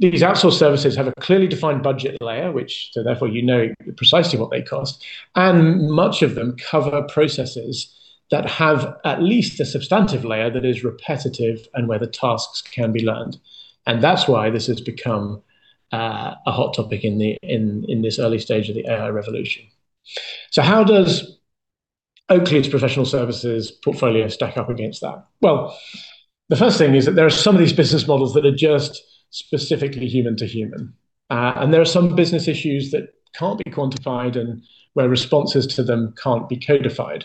These outsourced services have a clearly defined budget layer, which therefore you know precisely what they cost. Much of them cover processes that have at least a substantive layer that is repetitive and where the tasks can be learned. That's why this has become a hot topic in this early stage of the AI revolution. How does Oakley's professional services portfolio stack up against that? The first thing is that there are some of these business models that are just specifically human to human. There are some business issues that can't be quantified and where responses to them can't be codified.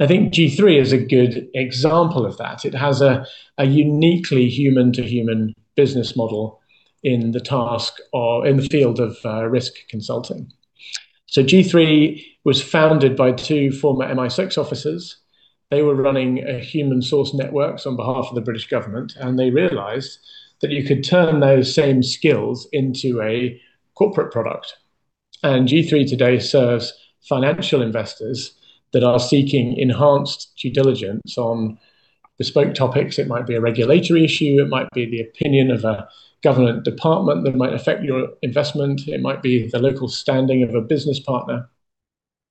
I think G3 is a good example of that. It has a uniquely human to human business model in the task or in the field of risk consulting. G3 was founded by two former MI6 officers. They were running human source networks on behalf of the British government, and they realized that you could turn those same skills into a corporate product. G3 today serves financial investors that are seeking enhanced due diligence on bespoke topics. It might be a regulatory issue, it might be the opinion of a government department that might affect your investment, it might be the local standing of a business partner.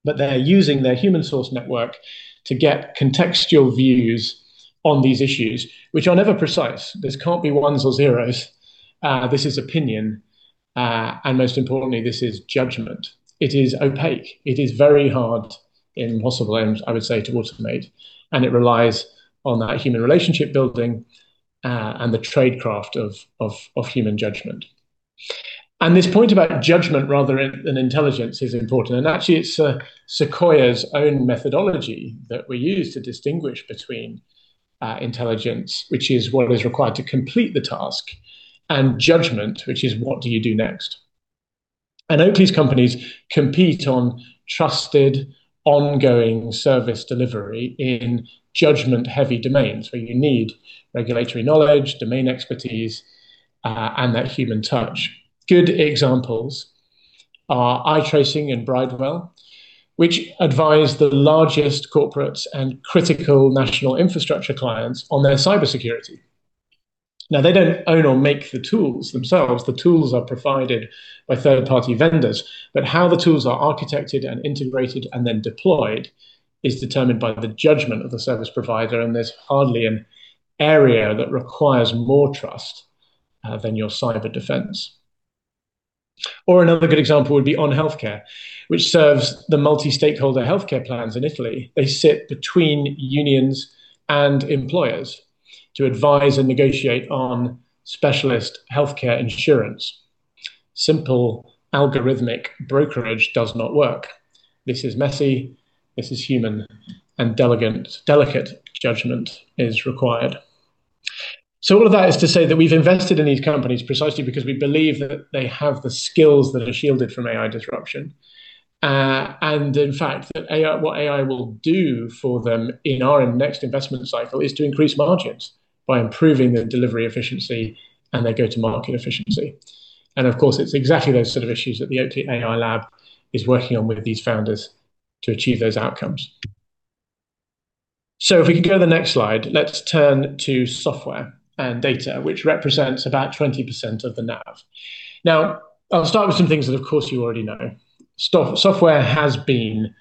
They're using their human source network to get contextual views on these issues which are never precise. This can't be ones or zeros. This is opinion. Most importantly, this is judgment. It is opaque. It is very hard, impossible I would say, to automate, and it relies on that human relationship building, and the tradecraft of human judgment. This point about judgment rather than intelligence is important. Actually, it's Sequoia's own methodology that we use to distinguish between intelligence, which is what is required to complete the task, and judgment, which is what do you do next. Oakley's companies compete on trusted ongoing service delivery in judgment-heavy domains where you need regulatory knowledge, domain expertise, and that human touch. Good examples are I-TRACING and Bridewell, which advise the largest corporates and critical national infrastructure clients on their cybersecurity. Now, they don't own or make the tools themselves. The tools are provided by third-party vendors, but how the tools are architected and integrated and then deployed is determined by the judgment of the service provider, and there's hardly an area that requires more trust than your cyber defense. Another good example would be on healthcare, which serves the multi-stakeholder healthcare plans in Italy. They sit between unions and employers to advise and negotiate on specialist healthcare insurance. Simple algorithmic brokerage does not work. This is messy, this is human, and delicate judgment is required. All of that is to say that we've invested in these companies precisely because we believe that they have the skills that are shielded from AI disruption. In fact, what AI will do for them in our next investment cycle is to increase margins by improving their delivery efficiency and their go-to-market efficiency. Of course, it's exactly those sort of issues that the Oakley AI Lab is working on with these founders to achieve those outcomes. If we can go to the next slide, let's turn to software and data, which represents about 20% of the NAV. Now, I'll start with some things that of course you already know. Software has been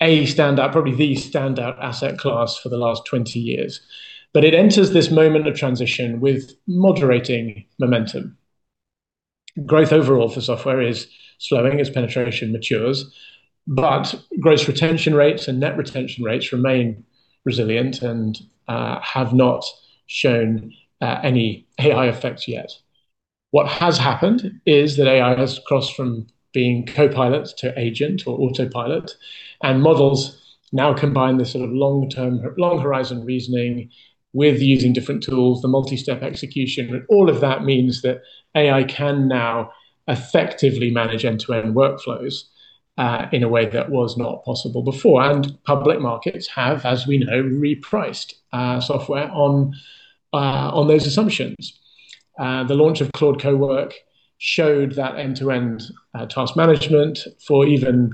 a standout, probably the standout asset class for the last 20 years. It enters this moment of transition with moderating momentum. Growth overall for software is slowing as penetration matures, but gross retention rates and net retention rates remain resilient and have not shown any AI effects yet. What has happened is that AI has crossed from being copilot to agent or autopilot, and models now combine the sort of long-term, long-horizon reasoning with using different tools, the multi-step execution. All of that means that AI can now effectively manage end-to-end workflows in a way that was not possible before. Public markets have, as we know, repriced software on those assumptions. The launch of Claude Cowork showed that end-to-end task management for even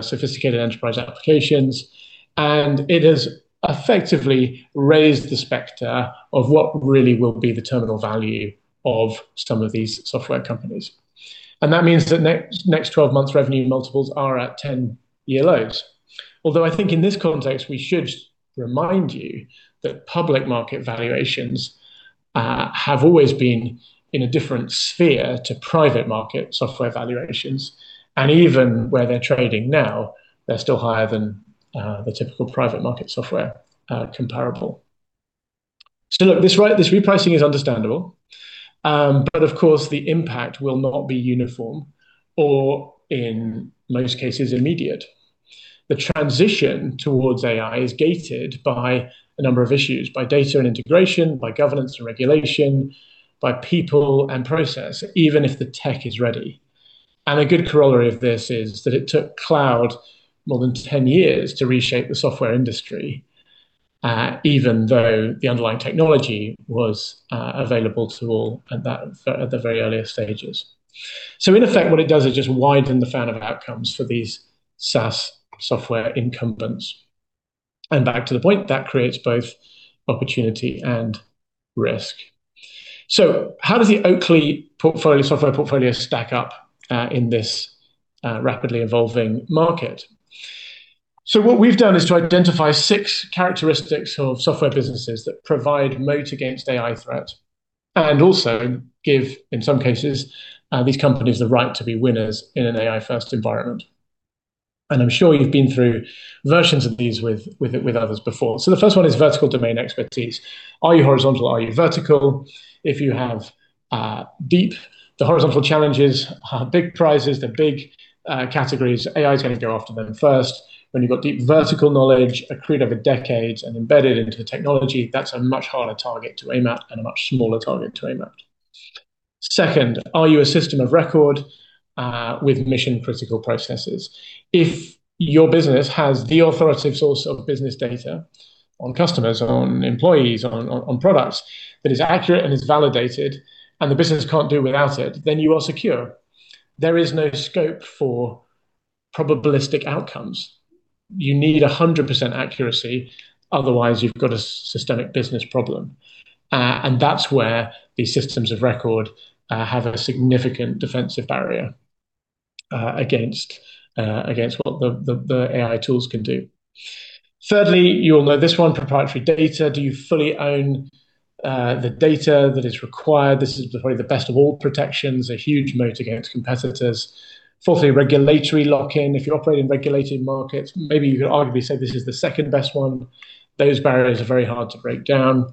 sophisticated enterprise applications, and it has effectively raised the specter of what really will be the terminal value of some of these software companies. That means that next twelve months revenue multiples are at 10-year lows. Although I think in this context, we should remind you that public market valuations have always been in a different sphere to private market software valuations. Even where they're trading now, they're still higher than the typical private market software comparable. Look, this repricing is understandable, but of course, the impact will not be uniform or, in most cases, immediate. The transition towards AI is gated by a number of issues, by data and integration, by governance and regulation, by people and process, even if the tech is ready. A good corollary of this is that it took cloud more than 10 years to reshape the software industry, even though the underlying technology was available to all at that, at the very earliest stages. In effect, what it does is just widen the fan of outcomes for these SaaS software incumbents. Back to the point, that creates both opportunity and risk. How does the Oakley portfolio, software portfolio stack up in this rapidly evolving market? What we've done is to identify six characteristics of software businesses that provide moat against AI threat and also give, in some cases, these companies the right to be winners in an AI-first environment. I'm sure you've been through versions of these with others before. The first one is vertical domain expertise. Are you horizontal? Are you vertical? If you have deep horizontal challenges, big prizes, the big categories, AI is gonna go after them first. When you've got deep vertical knowledge accrued over decades and embedded into the technology, that's a much harder target to aim at and a much smaller target to aim at. Second, are you a system of record with mission-critical processes? If your business has the authoritative source of business data on customers, on employees, on products that is accurate and is validated, and the business can't do without it, then you are secure. There is no scope for probabilistic outcomes. You need 100% accuracy, otherwise you've got a systemic business problem. That's where these systems of record have a significant defensive barrier against what the AI tools can do. Thirdly, you all know this one, proprietary data. Do you fully own the data that is required? This is probably the best of all protections, a huge moat against competitors. Fourthly, regulatory lock-in. If you operate in regulated markets, maybe you could arguably say this is the second best one. Those barriers are very hard to break down.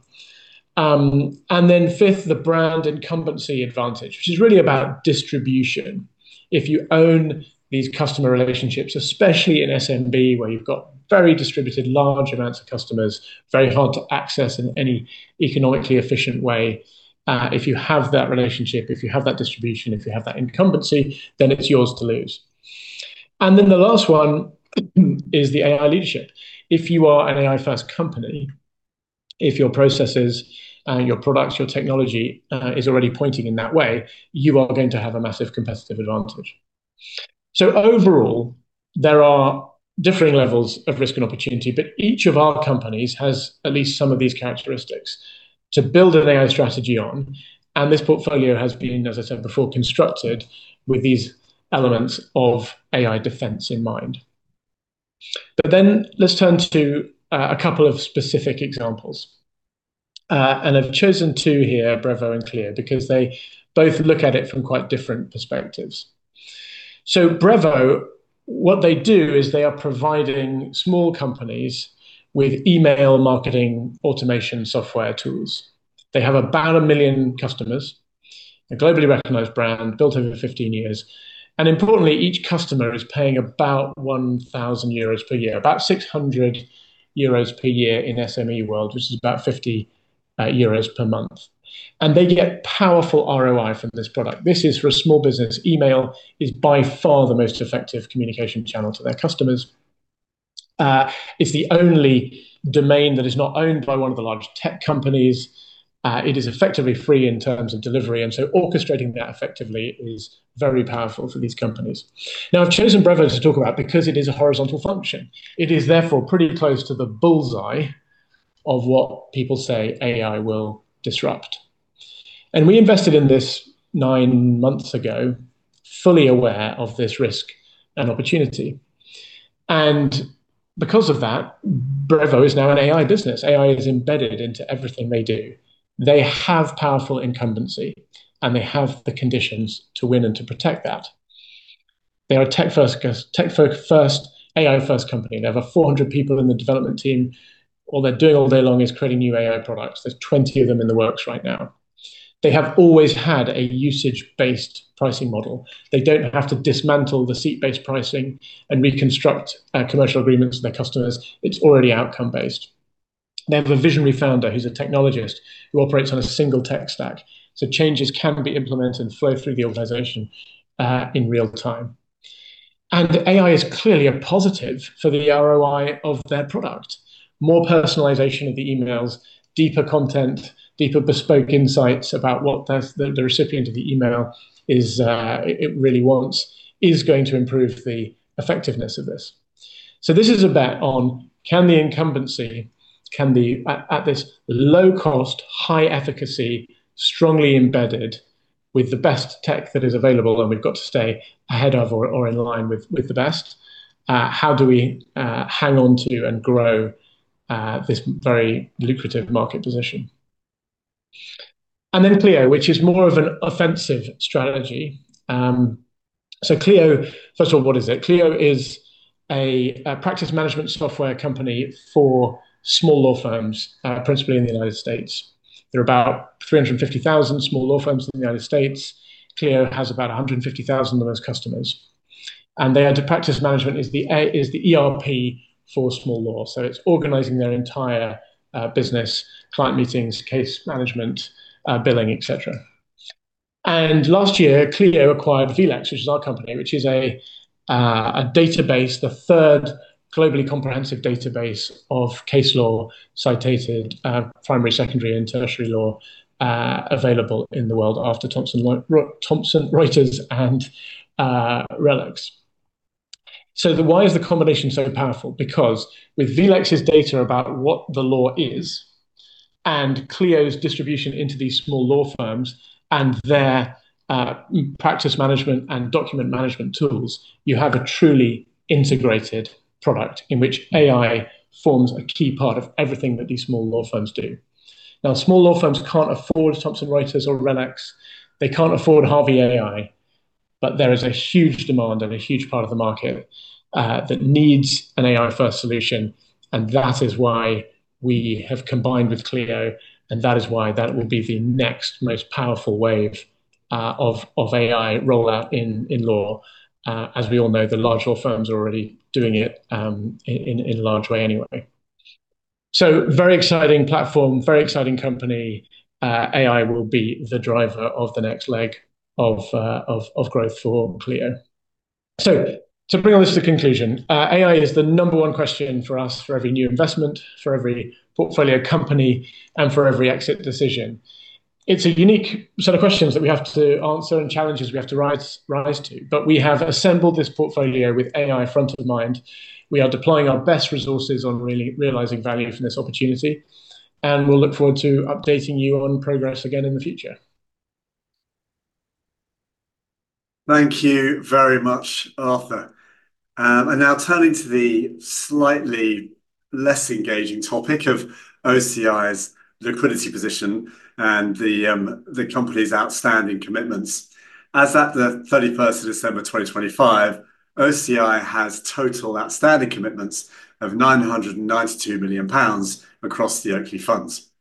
Fifth, the brand incumbency advantage, which is really about distribution. If you own these customer relationships, especially in SMB, where you've got very distributed large amounts of customers, very hard to access in any economically efficient way, if you have that relationship, if you have that distribution, if you have that incumbency, then it's yours to lose. The last one is the AI leadership. If you are an AI-first company, if your processes, your products, your technology, is already pointing in that way, you are going to have a massive competitive advantage. Overall, there are differing levels of risk and opportunity, but each of our companies has at least some of these characteristics to build an AI strategy on. This portfolio has been, as I said before, constructed with these elements of AI defense in mind. Let's turn to a couple of specific examples. I've chosen two here, Brevo and Clio, because they both look at it from quite different perspectives. Brevo, what they do is they are providing small companies with email marketing automation software tools. They have about 1 million customers, a globally recognized brand built over 15 years. Importantly, each customer is paying about 1,000 euros per year, about 600 euros per year in SME world, which is about 50 euros per month. They get powerful ROI from this product. This is for a small business. Email is by far the most effective communication channel to their customers. It's the only domain that is not owned by one of the large tech companies. It is effectively free in terms of delivery, and so orchestrating that effectively is very powerful for these companies. Now, I've chosen Brevo to talk about because it is a horizontal function. It is therefore pretty close to the bull's eye of what people say AI will disrupt. We invested in this 9 months ago, fully aware of this risk and opportunity. Because of that, Brevo is now an AI business. AI is embedded into everything they do. They have powerful incumbency, and they have the conditions to win and to protect that. They are a tech-first, AI-first company. They have over 400 people in the development team. All they're doing all day long is creating new AI products. There's 20 of them in the works right now. They have always had a usage-based pricing model. They don't have to dismantle the seat-based pricing and reconstruct commercial agreements with their customers. It's already outcome-based. They have a visionary founder who's a technologist, who operates on a single tech stack, so changes can be implemented and flow through the organization in real time. AI is clearly a positive for the ROI of their product. More personalization of the emails, deeper content, deeper bespoke insights about what the recipient of the email is, it really wants, is going to improve the effectiveness of this. This is a bet on can the incumbency at this low cost, high efficacy, strongly embedded with the best tech that is available, and we've got to stay ahead of or in line with the best, how do we hang on to and grow this very lucrative market position. Clio, which is more of an offensive strategy. Clio, first of all, what is it? Clio is a practice management software company for small law firms, principally in the United States. There are about 350,000 small law firms in the United States. Clio has about 150,000 of those customers. Their practice management is the ERP for small law. It's organizing their entire business, client meetings, case management, billing, et cetera. Last year, Clio acquired vLex, which is our company, which is a database, the third globally comprehensive database of case law, cited primary, secondary, and tertiary law available in the world after Thomson Reuters and RELX. Why is the combination so powerful? Because with vLex's data about what the law is and Clio's distribution into these small law firms and their practice management and document management tools, you have a truly integrated product in which AI forms a key part of everything that these small law firms do. Now, small law firms can't afford Thomson Reuters or RELX. They can't afford Harvey, but there is a huge demand and a huge part of the market that needs an AI-first solution, and that is why we have combined with Clio, and that is why that will be the next most powerful wave of AI rollout in law. As we all know, the large law firms are already doing it in a large way anyway. Very exciting platform, very exciting company. AI will be the driver of the next leg of growth for Clio. To bring all this to conclusion, AI is the number one question for us for every new investment, for every portfolio company, and for every exit decision. It's a unique set of questions that we have to answer and challenges we have to rise to. We have assembled this portfolio with AI front of mind. We are deploying our best resources on really realizing value from this opportunity, and we'll look forward to updating you on progress again in the future. Thank you very much, Arthur. Now turning to the slightly less engaging topic of OCI's liquidity position and the company's outstanding commitments. As at the December 31st 2025, OCI has total outstanding commitments of 992 million pounds across the Oakley funds.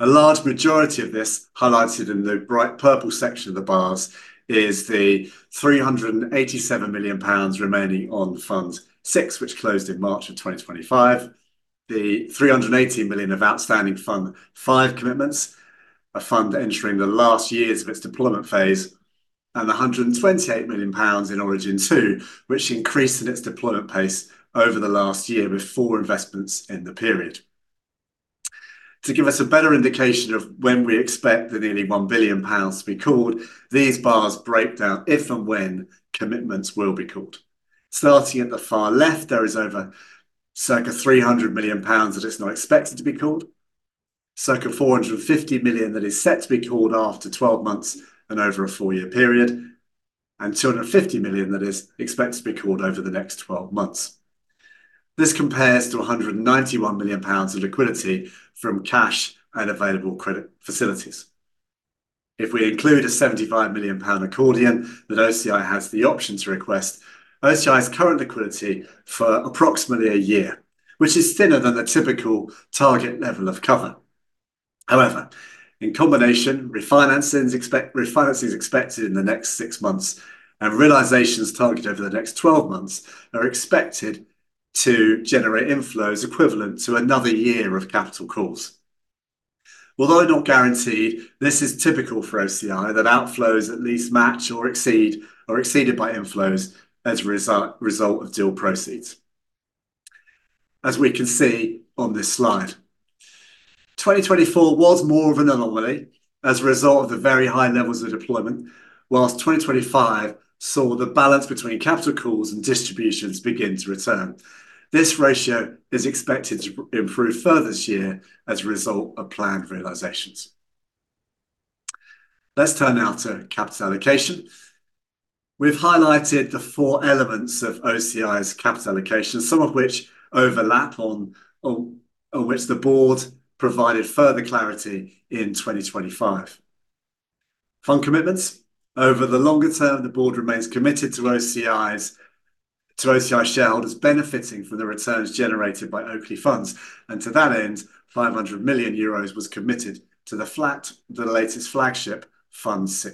A large majority of this, highlighted in the bright purple section of the bars, is the GBP 387 million remaining on Fund VI, which closed in March 2025. The GBP 380 million of outstanding Fund V commitments, a fund entering the last years of its deployment phase, and 128 million pounds in Origin II, which increased in its deployment pace over the last year with four investments in the period. To give us a better indication of when we expect the nearly 1 billion pounds to be called, these bars break down if and when commitments will be called. Starting at the far left, there is over circa 300 million pounds that is not expected to be called, circa 450 million that is set to be called after 12 months and over a four-year period, and 250 million that is expected to be called over the next 12 months. This compares to 191 million pounds of liquidity from cash and available credit facilities. If we include a 75 million pound accordion that OCI has the option to request, OCI's current liquidity for approximately a year, which is thinner than the typical target level of cover. However, in combination, refinancings expected in the next six months and realizations targeted over the next 12 months are expected to generate inflows equivalent to another year of capital calls. Although not guaranteed, this is typical for OCI that outflows at least match or exceeded by inflows as a result of deal proceeds. As we can see on this slide. 2024 was more of an anomaly as a result of the very high levels of deployment, while 2025 saw the balance between capital calls and distributions begin to return. This ratio is expected to improve further this year as a result of planned realizations. Let's turn now to capital allocation. We've highlighted the four elements of OCI's capital allocation, some of which overlap on which the board provided further clarity in 2025. Fund commitments. Over the longer term, the board remains committed to OCI's, to OCI shareholders benefiting from the returns generated by Oakley funds. To that end, 500 million euros was committed to the latest flagship Fund VI.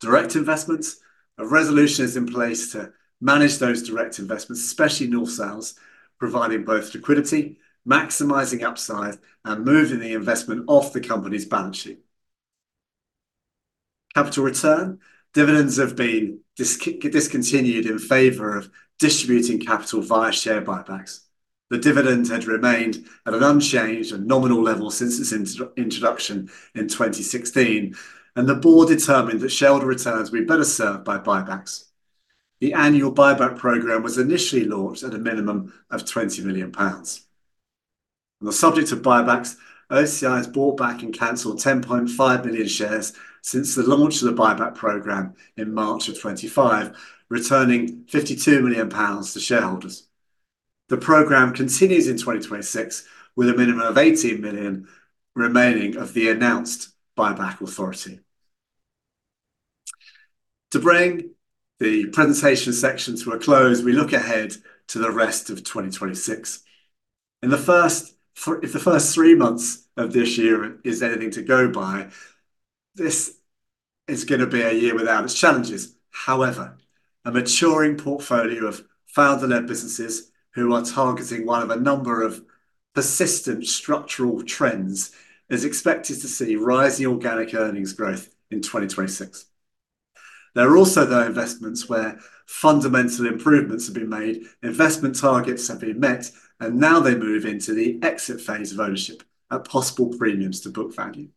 Direct investments. A resolution is in place to manage those direct investments, especially North Sails, providing both liquidity, maximizing upside, and moving the investment off the company's balance sheet. Capital return. Dividends have been discontinued in favor of distributing capital via share buybacks. The dividend had remained at an unchanged and nominal level since its introduction in 2016, and the board determined that shareholder returns would be better served by buybacks. The annual buyback program was initially launched at a minimum of 20 million pounds. On the subject of buybacks, OCI has bought back and canceled 10.5 million shares since the launch of the buyback program in March 2025, returning 52 million pounds to shareholders. The program continues in 2026, with a minimum of 18 million remaining of the announced buyback authority. To bring the presentation section to a close, we look ahead to the rest of 2026. If the first three months of this year is anything to go by, this is gonna be a year without its challenges. However, a maturing portfolio of founder-led businesses who are targeting one of a number of persistent structural trends is expected to see rising organic earnings growth in 2026. There are also the investments where fundamental improvements have been made, investment targets have been met, and now they move into the exit phase of ownership at possible premiums to book value.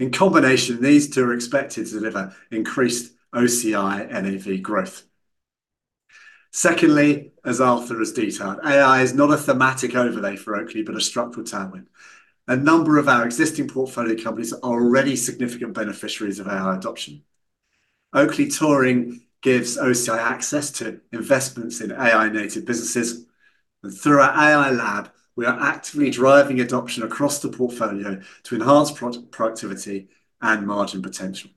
In combination, these two are expected to deliver increased OCI NAV growth. Secondly, as Arthur has detailed, AI is not a thematic overlay for Oakley, but a structural tailwind. A number of our existing portfolio companies are already significant beneficiaries of AI adoption. Oakley Touring gives OCI access to investments in AI-native businesses. Through our AI lab, we are actively driving adoption across the portfolio to enhance productivity and margin potential.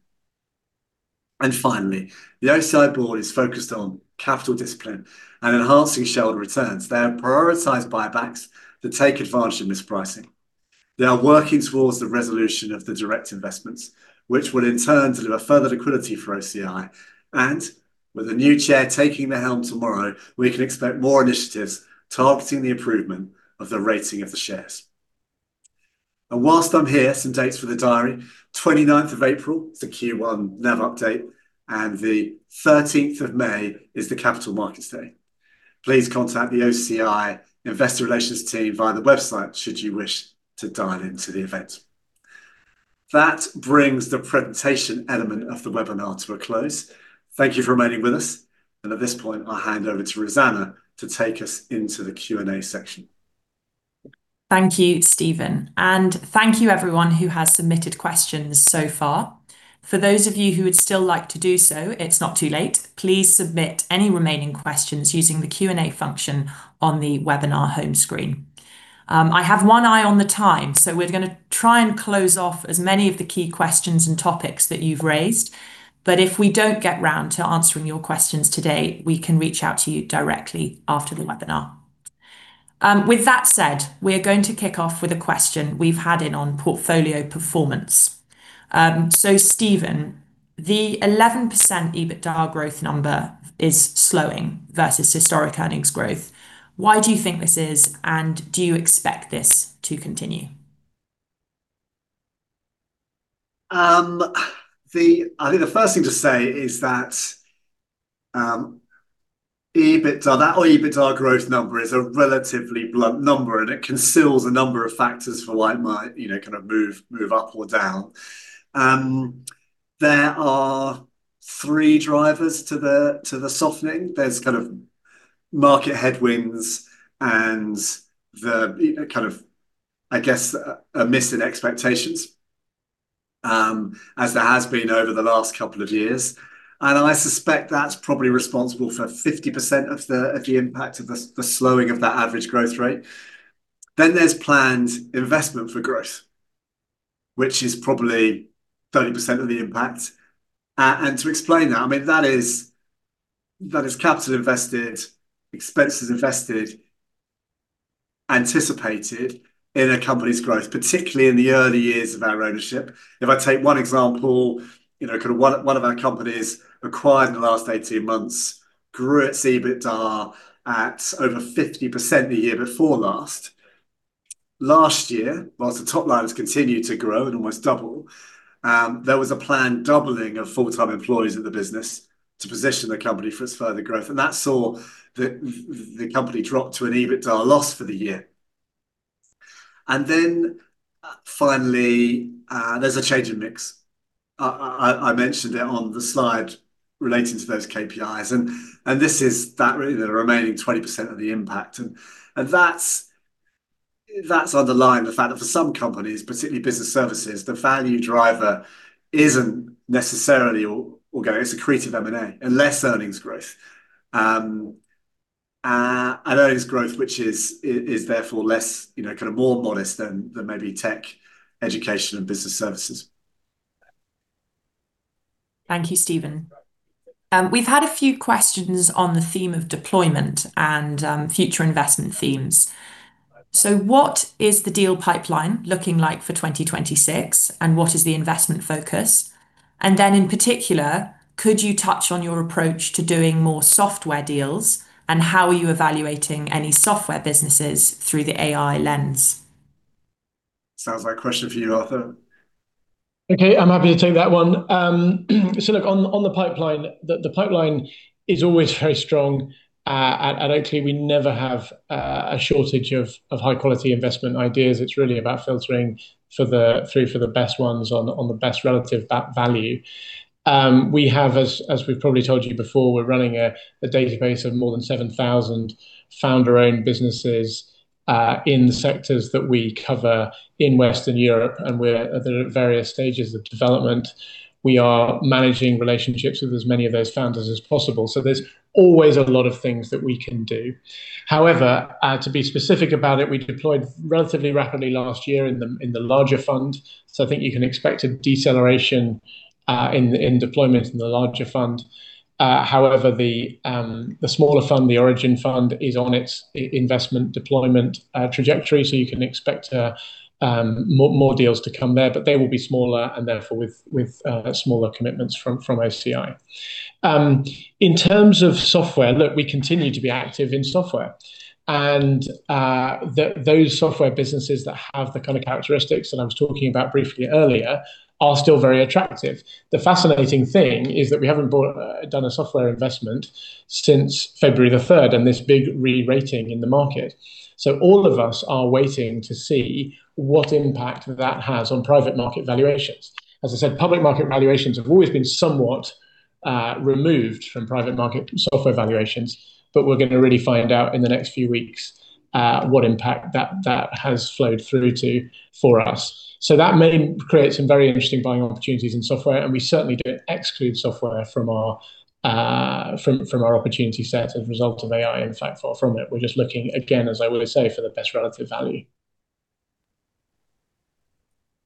Finally, the OCI board is focused on capital discipline and enhancing shareholder returns. They have prioritized buybacks that take advantage of mispricing. They are working towards the resolution of the direct investments, which will in turn deliver further liquidity for OCI. With a new chair taking the helm tomorrow, we can expect more initiatives targeting the improvement of the rating of the shares. While I'm here, some dates for the diary. April 29th, the Q1 NAV update, and the May 13th is the Capital Markets Day. Please contact the OCI investor relations team via the website should you wish to dial into the event. That brings the presentation element of the webinar to a close. Thank you for remaining with us. At this point, I'll hand over to Rosanna to take us into the Q&A section. Thank you, Steven. Thank you everyone who has submitted questions so far. For those of you who would still like to do so, it's not too late. Please submit any remaining questions using the Q&A function on the webinar home screen. I have one eye on the time, so we're gonna try and close off as many of the key questions and topics that you've raised. But if we don't get round to answering your questions today, we can reach out to you directly after the webinar. With that said, we are going to kick off with a question we've had in on portfolio performance. So Steven, the 11% EBITDA growth number is slowing versus historic earnings growth. Why do you think this is, and do you expect this to continue? I think the first thing to say is that, EBITDA, that our EBITDA growth number is a relatively blunt number, and it conceals a number of factors for why it might, you know, kind of move up or down. There are three drivers to the softening. There's kind of market headwinds and the kind of, I guess, a miss in expectations, as there has been over the last couple of years. I suspect that's probably responsible for 50% of the impact of the slowing of that average growth rate. Then there's planned investment for growth, which is probably 30% of the impact. To explain that, I mean, that is capital invested, expenses invested, anticipated in a company's growth, particularly in the early years of our ownership. If I take one example, you know, kind of one of our companies acquired in the last 18 months grew its EBITDA at over 50% the year before last. Last year, while the top line has continued to grow and almost double, there was a planned doubling of full-time employees at the business to position the company for its further growth, and that saw the company drop to an EBITDA loss for the year. Then finally, there's a change in mix. I mentioned it on the slide relating to those KPIs, and this is really the remaining 20% of the impact. That's underlined the fact that for some companies, particularly business services, the value driver isn't necessarily organic. It's accretive M&A unless earnings growth. Earnings growth, which is therefore less, you know, kind of more modest than maybe tech education and business services. Thank you, Steven. We've had a few questions on the theme of deployment and future investment themes. What is the deal pipeline looking like for 2026, and what is the investment focus? In particular, could you touch on your approach to doing more software deals and how are you evaluating any software businesses through the AI lens? Sounds like a question for you, Arthur. Okay. I'm happy to take that one. Look, on the pipeline, the pipeline is always very strong. At Oakley, we never have a shortage of high-quality investment ideas. It's really about filtering through for the best ones on the best relative value. We have, as we've probably told you before, we're running a database of more than 7,000 founder-owned businesses in the sectors that we cover in Western Europe, and we're at the various stages of development. We are managing relationships with as many of those founders as possible. There's always a lot of things that we can do. However, to be specific about it, we deployed relatively rapidly last year in the larger fund. I think you can expect a deceleration in deployment in the larger fund. However, the smaller fund, the Origin fund, is on its investment deployment trajectory. You can expect more deals to come there, but they will be smaller and therefore with smaller commitments from OCI. In terms of software, look, we continue to be active in software. Those software businesses that have the kind of characteristics that I was talking about briefly earlier are still very attractive. The fascinating thing is that we haven't done a software investment since February 3rd and this big re-rating in the market. All of us are waiting to see what impact that has on private market valuations. As I said, public market valuations have always been somewhat removed from private market software valuations, but we're gonna really find out in the next few weeks what impact that has flowed through to for us. That may create some very interesting buying opportunities in software, and we certainly don't exclude software from our opportunity set as a result of AI. In fact, far from it. We're just looking, again, as I would say, for the best relative value.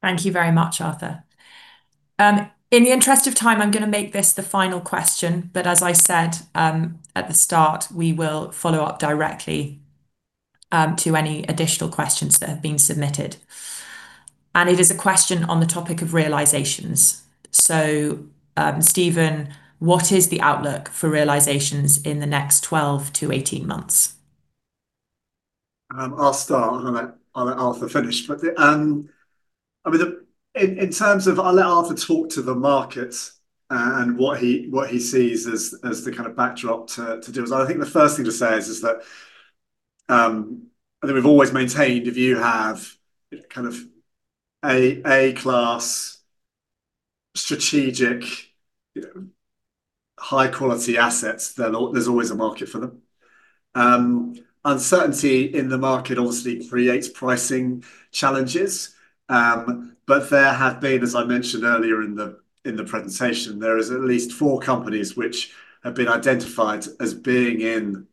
Thank you very much, Arthur. In the interest of time, I'm gonna make this the final question. As I said, at the start, we will follow up directly to any additional questions that have been submitted. It is a question on the topic of realizations. Steven, what is the outlook for realizations in the next 12-18 months? I'll start and I'll let Arthur finish. I mean, in terms of, I'll let Arthur talk to the market, and what he sees as the kind of backdrop to deals. I think the first thing to say is that I think we've always maintained if you have kind of A-class strategic, you know, high-quality assets, then there's always a market for them. Uncertainty in the market obviously creates pricing challenges. There have been, as I mentioned earlier in the presentation, there is at least four companies which have been identified as being in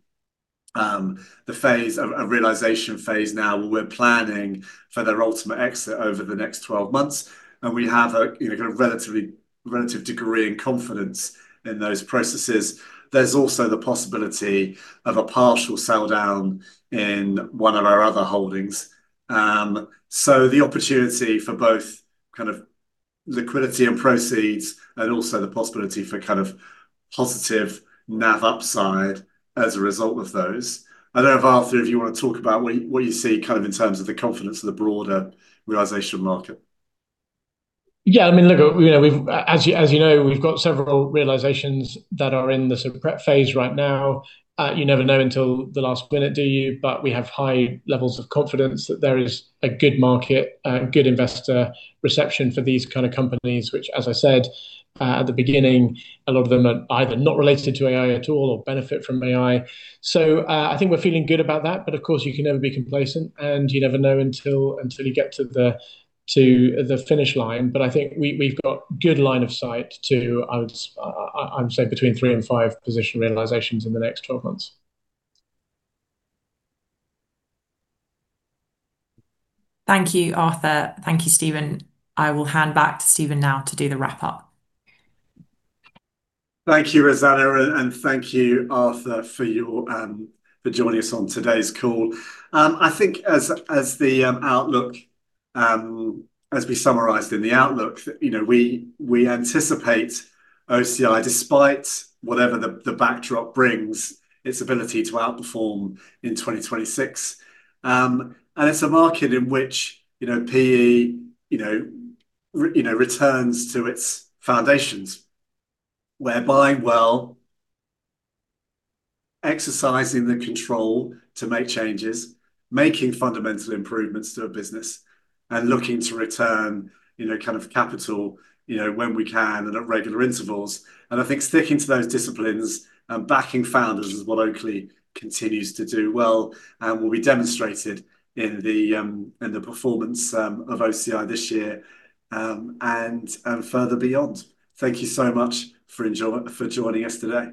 the realization phase now. We're planning for their ultimate exit over the next 12 months, and we have a, you know, kind of relative degree of confidence in those processes. There's also the possibility of a partial sell-down in one of our other holdings. The opportunity for both kind of liquidity and proceeds and also the possibility for kind of positive NAV upside as a result of those. I don't know, Arthur, if you want to talk about what you see kind of in terms of the confidence of the broader realization market. Yeah. I mean, look, you know, as you know, we've got several realizations that are in the sort of prep phase right now. You never know until the last minute, do you? We have high levels of confidence that there is a good market, good investor reception for these kind of companies, which, as I said, at the beginning, a lot of them are either not related to AI at all or benefit from AI. I think we're feeling good about that, but of course, you can never be complacent, and you never know until you get to the finish line. I think we've got good line of sight to, I'm saying between three and five position realizations in the next 12 months. Thank you, Arthur. Thank you, Steven. I will hand back to Steven now to do the wrap-up. Thank you, Rosanna, and thank you, Arthur, for joining us on today's call. I think as we summarized in the outlook, you know, we anticipate OCI, despite whatever the backdrop brings, its ability to outperform in 2026. It's a market in which, you know, PE, you know, returns to its foundations, whereby, well, exercising the control to make changes, making fundamental improvements to a business and looking to return, you know, kind of capital, you know, when we can and at regular intervals. I think sticking to those disciplines and backing founders is what Oakley continues to do well and will be demonstrated in the performance of OCI this year, and further beyond. Thank you so much for joining us today.